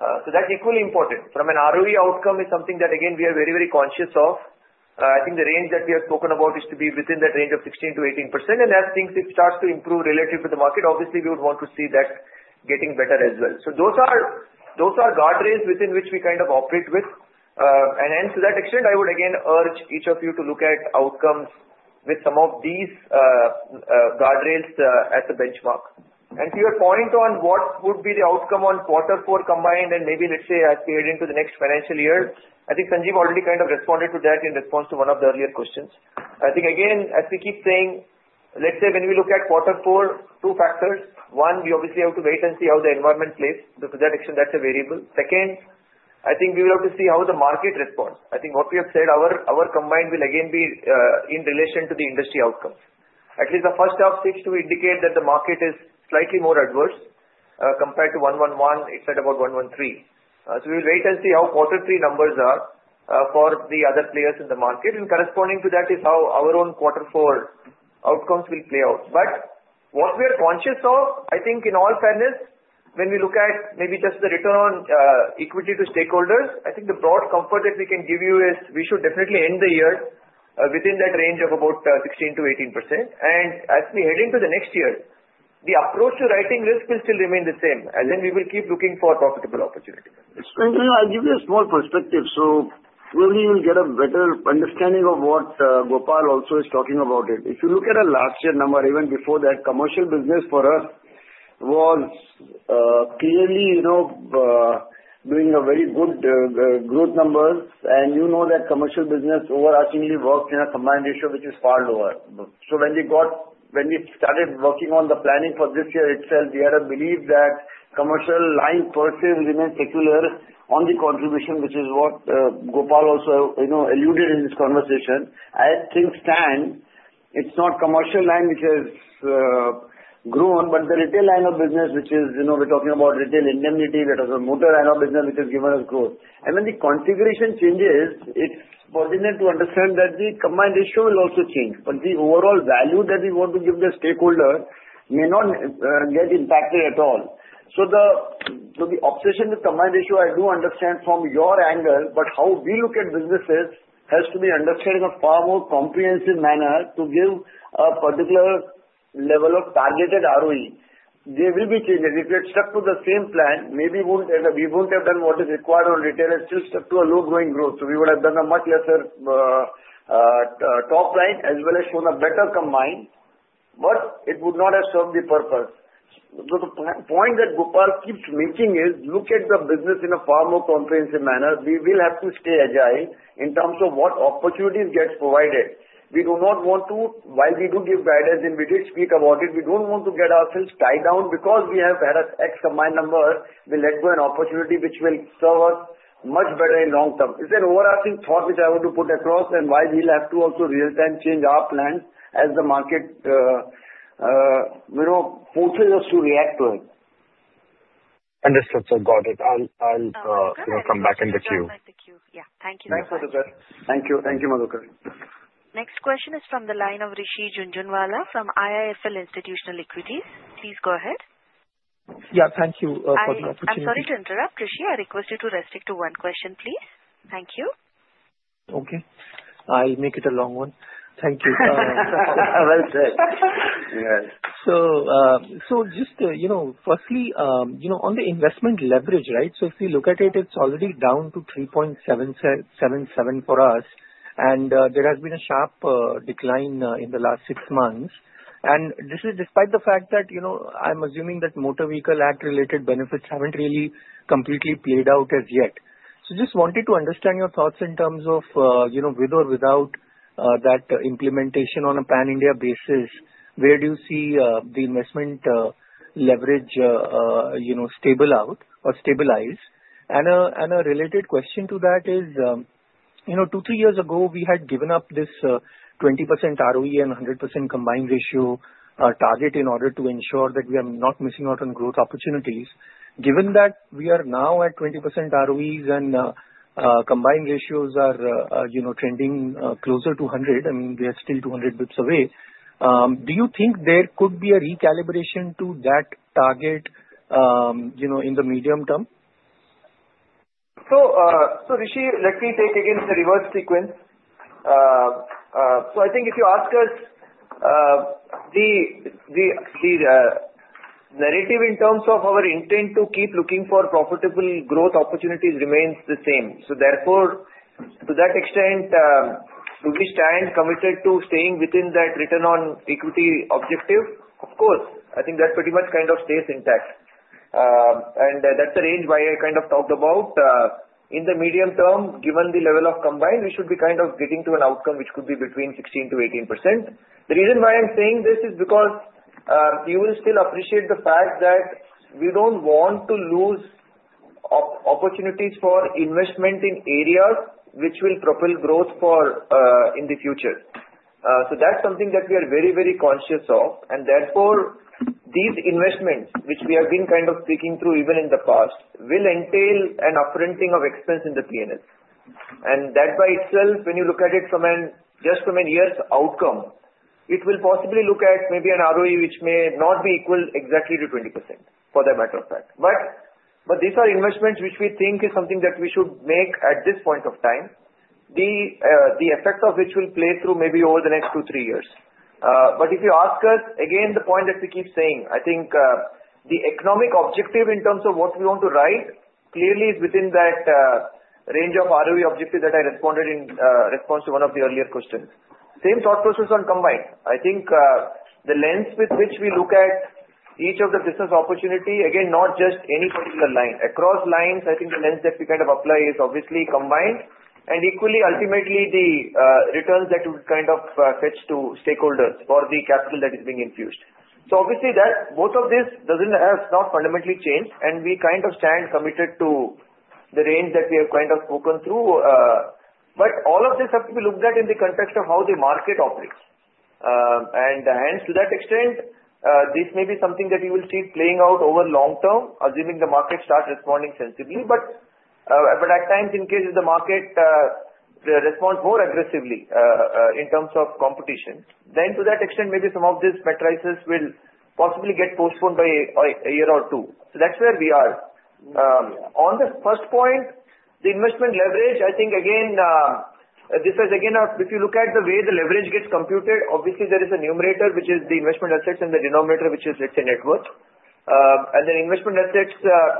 So that's equally important. From an ROE outcome, it's something that again we are very, very conscious of. I think the range that we have spoken about is to be within that range of 16%-18%. And as things start to improve relative to the market, obviously we would want to see that getting better as well. So those are guardrails within which we kind of operate with. And hence, to that extent, I would again urge each of you to look at outcomes with some of these guardrails as a benchmark. And to your point on what would be the outcome on quarter four combined and maybe let's say as we head into the next financial year, I think Sanjeev already kind of responded to that in response to one of the earlier questions. I think again, as we keep saying, let's say when we look at quarter four, two factors. One, we obviously have to wait and see how the environment plays. To that extent, that's a variable. Second, I think we will have to see how the market responds. I think what we have said, our combined will again be in relation to the industry outcomes. At least the first half seeks to indicate that the market is slightly more adverse compared to 111. It's at about 113. So we will wait and see how quarter three numbers are for the other players in the market. And corresponding to that is how our own quarter four outcomes will play out. But what we are conscious of, I think in all fairness, when we look at maybe just the return on equity to stakeholders, I think the broad comfort that we can give you is we should definitely end the year within that range of about 16%-18%. And as we head into the next year, the approach to writing risk will still remain the same. And then we will keep looking for profitable opportunities. I'll give you a small perspective. So hopefully you'll get a better understanding of what Gopal also is talking about. If you look at a last year number, even before that, commercial business for us was clearly doing a very good growth number. And you know that commercial business overarchingly works in a combined ratio which is far lower. So when we started working on the planning for this year itself, we had a belief that commercial line per se will remain secular on the contribution, which is what Gopal also alluded in his conversation. I think standalone, it's not commercial line which has grown, but the retail line of business, which is we're talking about retail indemnity, that is a motor line of business which has given us growth. And when the configuration changes, it's pertinent to understand that the combined ratio will also change. But the overall value that we want to give the stakeholder may not get impacted at all. So the obsession with combined ratio, I do understand from your angle, but how we look at businesses has to be understood in a far more comprehensive manner to give a particular level of targeted ROE. There will be changes. If we had stuck to the same plan, maybe we wouldn't have done what is required on retail and still stuck to a low growing growth. So we would have done a much lesser top line as well as shown a better combined, but it would not have served the purpose. So the point that Gopal keeps making is look at the business in a far more comprehensive manner. We will have to stay agile in terms of what opportunities get provided. We do not want to, while we do give guidance and we did speak about it, we don't want to get ourselves tied down because we have had an X combined number. We'll let go an opportunity which will serve us much better in long term. It's an overarching thought which I want to put across and why we'll have to also real-time change our plans as the market forces us to react to it. Understood. So got it. I'll come back in the queue. Yeah. Thank you. Thank you, Madhukar. Next question is from the line of Rishi Jhunjhunwala from IIFL Institutional Equities. Please go ahead. Yeah. Thank you for the opportunity. I'm sorry to interrupt, Rishi. I request you to restrict to one question, please. Thank you. Okay. I'll make it a long one. Thank you. Well said. So just firstly, on the investment leverage, right? So if we look at it, it's already down to 3.77 for us. And there has been a sharp decline in the last six months. And this is despite the fact that I'm assuming that motor vehicle act-related benefits haven't really completely played out as yet. So just wanted to understand your thoughts in terms of with or without that implementation on a pan-India basis, where do you see the investment leverage stable out or stabilize? A related question to that is, two, three years ago, we had given up this 20% ROE and 100% combined ratio target in order to ensure that we are not missing out on growth opportunities. Given that we are now at 20% ROEs and combined ratios are trending closer to 100, I mean, we are still 200 basis points away. Do you think there could be a recalibration to that target in the medium term? Rishi, let me take again the reverse sequence. I think if you ask us, the narrative in terms of our intent to keep looking for profitable growth opportunities remains the same. Therefore, to that extent, do we stand committed to staying within that return on equity objective? Of course. I think that pretty much kind of stays intact. That's the range why I kind of talked about. In the medium term, given the level of combined, we should be kind of getting to an outcome which could be between 16%-18%. The reason why I'm saying this is because you will still appreciate the fact that we don't want to lose opportunities for investment in areas which will propel growth in the future. So that's something that we are very, very conscious of. And therefore, these investments, which we have been kind of speaking through even in the past, will entail an upfronting of expense in the P&L. And that by itself, when you look at it from just from a year's outcome, it will possibly look at maybe an ROE which may not be equal exactly to 20% for that matter of fact. But these are investments which we think is something that we should make at this point of time, the effect of which will play through maybe over the next two, three years. But if you ask us, again, the point that we keep saying, I think the economic objective in terms of what we want to write clearly is within that range of ROE objective that I responded in response to one of the earlier questions. Same thought process on combined. I think the lens with which we look at each of the business opportunity, again, not just any particular line. Across lines, I think the lens that we kind of apply is obviously combined. And equally, ultimately, the returns that we kind of fetch to stakeholders for the capital that is being infused. So obviously, both of these doesn't have not fundamentally changed. We kind of stand committed to the range that we have kind of spoken through. All of this has to be looked at in the context of how the market operates. Hence, to that extent, this may be something that you will see playing out over long term, assuming the market starts responding sensibly. At times, in case the market responds more aggressively in terms of competition, then to that extent, maybe some of these metrics will possibly get postponed by a year or two. That's where we are. On the first point, the investment leverage, I think again, this is again, if you look at the way the leverage gets computed, obviously there is a numerator, which is the investment assets, and the denominator, which is, let's say, net worth. Then investment assets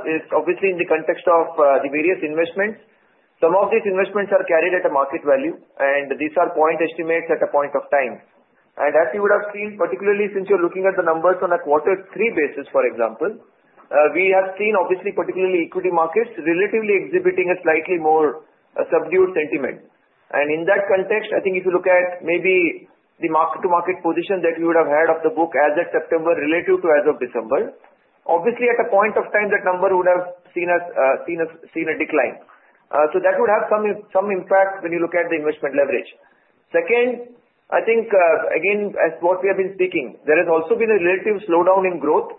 is obviously in the context of the various investments. Some of these investments are carried at a market value. And these are point estimates at a point of time. And as you would have seen, particularly since you're looking at the numbers on a quarter three basis, for example, we have seen obviously, particularly equity markets relatively exhibiting a slightly more subdued sentiment. And in that context, I think if you look at maybe the mark-to-market position that we would have had of the book as of September relative to as of December, obviously at a point of time, that number would have seen a decline. So that would have some impact when you look at the investment leverage. Second, I think again, as what we have been speaking, there has also been a relative slowdown in growth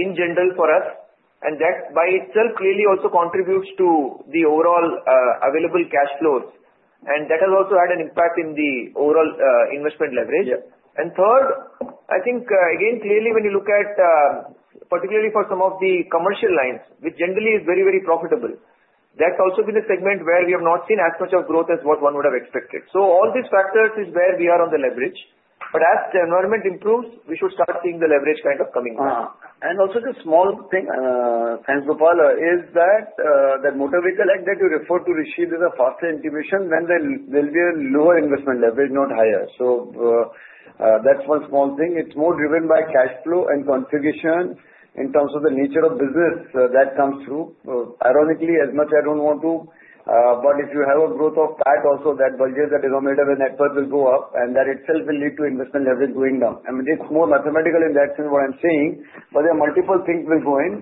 in general for us. And that by itself clearly also contributes to the overall available cash flows. And that has also had an impact in the overall investment leverage. And third, I think again, clearly when you look at particularly for some of the commercial lines, which generally is very, very profitable, that's also been a segment where we have not seen as much of growth as what one would have expected. So all these factors is where we are on the leverage. But as the environment improves, we should start seeing the leverage kind of coming back. And also the small thing, thanks, Gopal, is that that motor vehicle act that you refer to, Rishi, there's a faster intuition when there will be a lower investment leverage, not higher. So that's one small thing. It's more driven by cash flow and configuration in terms of the nature of business that comes through. Ironically, as much I don't want to, but if you have a growth of that, also that budget that is omitted and net worth will go up, and that itself will lead to investment leverage going down. I mean, it's more mathematical in that sense what I'm saying, but there are multiple things that will go in.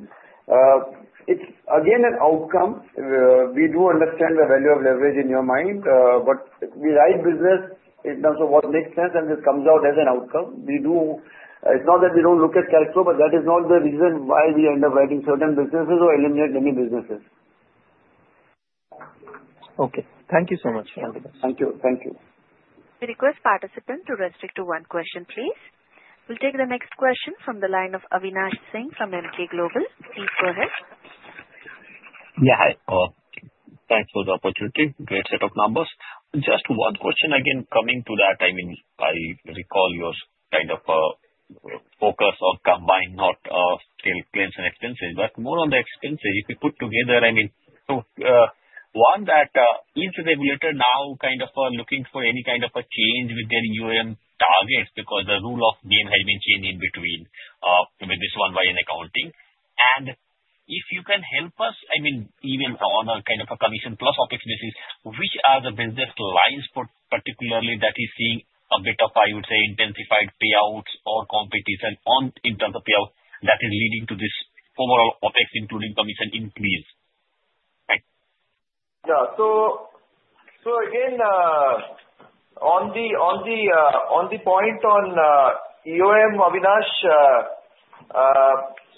It's again an outcome. We do understand the value of leverage in your mind, but we write business in terms of what makes sense and it comes out as an outcome. It's not that we don't look at cash flow, but that is not the reason why we end up writing certain businesses or eliminate many businesses. Okay. Thank you so much for all the questions. Thank you. Thank you. Request participant to restrict to one question, please. We'll take the next question from the line of Avinash Singh from Emkay Global. Please go ahead. Yeah. Thanks for the opportunity. Great set of numbers. Just one question again coming to that. I mean, I recall your kind of focus on combined, not still claims and expenses, but more on the expenses. If you put together, I mean, so one that is regulated now kind of looking for any kind of a change with their targets because the rule of game has been changed in between with this 1/N accounting. And if you can help us, I mean, even on a kind of a commission plus opportunities, which are the business lines particularly that you're seeing a bit of, I would say, intensified payouts or competition in terms of payout that is leading to this overall OpEx, including commission increase, right? Yeah. So, again, on the point on Avinash,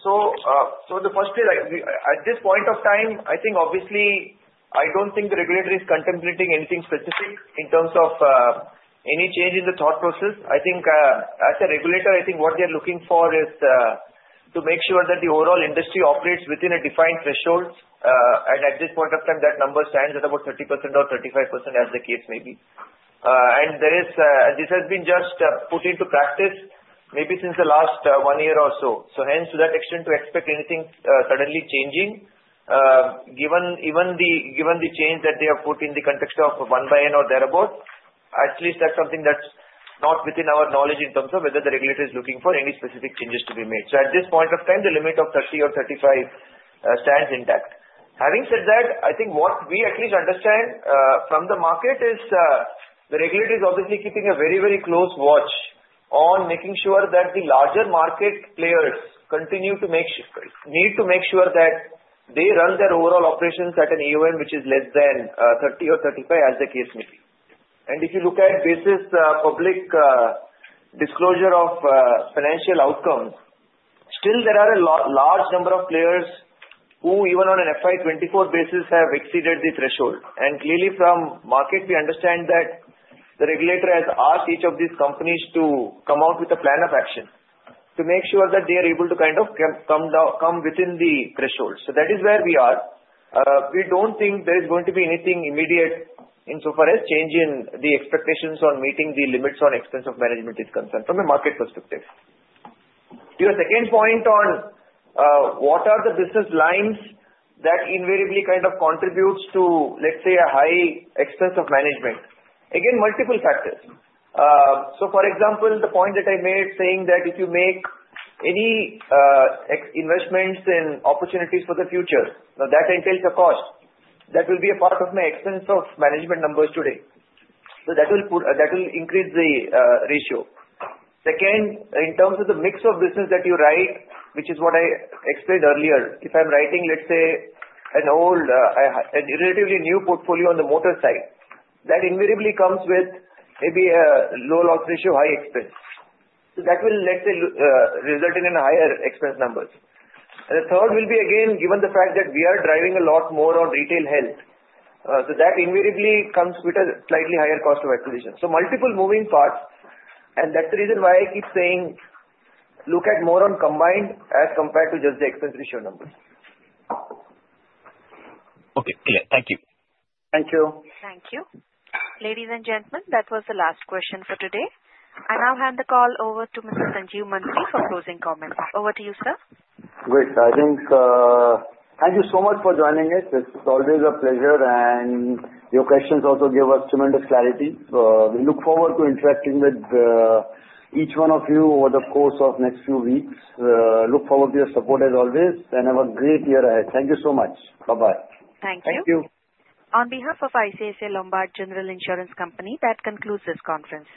so the first thing, at this point of time, I think obviously I don't think the regulator is contemplating anything specific in terms of any change in the thought process. I think as a regulator, I think what they're looking for is to make sure that the overall industry operates within a defined threshold. And at this point of time, that number stands at about 30% or 35% as the case may be. And this has been just put into practice maybe since the last one year or so. So hence, to that extent, to expect anything suddenly changing, given the change that they have put in the context of one by N or thereabouts, at least that's something that's not within our knowledge in terms of whether the regulator is looking for any specific changes to be made. So at this point of time, the limit of 30 or 35 stands intact. Having said that, I think what we at least understand from the market is the regulator is obviously keeping a very, very close watch on making sure that the larger market players continue to make need to make sure that they run their overall operations at an EOM which is less than 30 or 35 as the case may be. And if you look at basis public disclosure of financial outcomes, still there are a large number of players who, even on an FY 2024 basis, have exceeded the threshold. And clearly from market, we understand that the regulator has asked each of these companies to come out with a plan of action to make sure that they are able to kind of come within the threshold. So that is where we are. We don't think there is going to be anything immediate insofar as changing the expectations on meeting the limits on expense of management is concerned from a market perspective. To your second point on what are the business lines that invariably kind of contributes to, let's say, a high expense of management, again, multiple factors. So for example, the point that I made saying that if you make any investments in opportunities for the future, now that entails a cost. That will be a part of my expense of management numbers today. So that will increase the ratio. Second, in terms of the mix of business that you write, which is what I explained earlier, if I'm writing, let's say, a relatively new portfolio on the motor side, that invariably comes with maybe a low loss ratio, high expense. So that will, let's say, result in higher expense numbers. And the third will be, again, given the fact that we are driving a lot more on retail health. So that invariably comes with a slightly higher cost of acquisition. So multiple moving parts. And that's the reason why I keep saying look at more on combined as compared to just the expense ratio numbers. Okay. Clear. Thank you. Thank you. Thank you. Ladies and gentlemen, that was the last question for today. I now hand the call over to Mr. Sanjeev Mantri for closing comments. Over to you, sir. Great. Thank you so much for joining us. It's always a pleasure. And your questions also give us tremendous clarity. We look forward to interacting with each one of you over the course of next few weeks. Look forward to your support as always. And have a great year ahead. Thank you so much. Bye-bye. Thank you. Thank you. On behalf of ICICI Lombard General Insurance Company, that concludes this conference.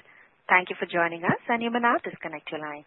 Thank you for joining us, and you may now disconnect your lines.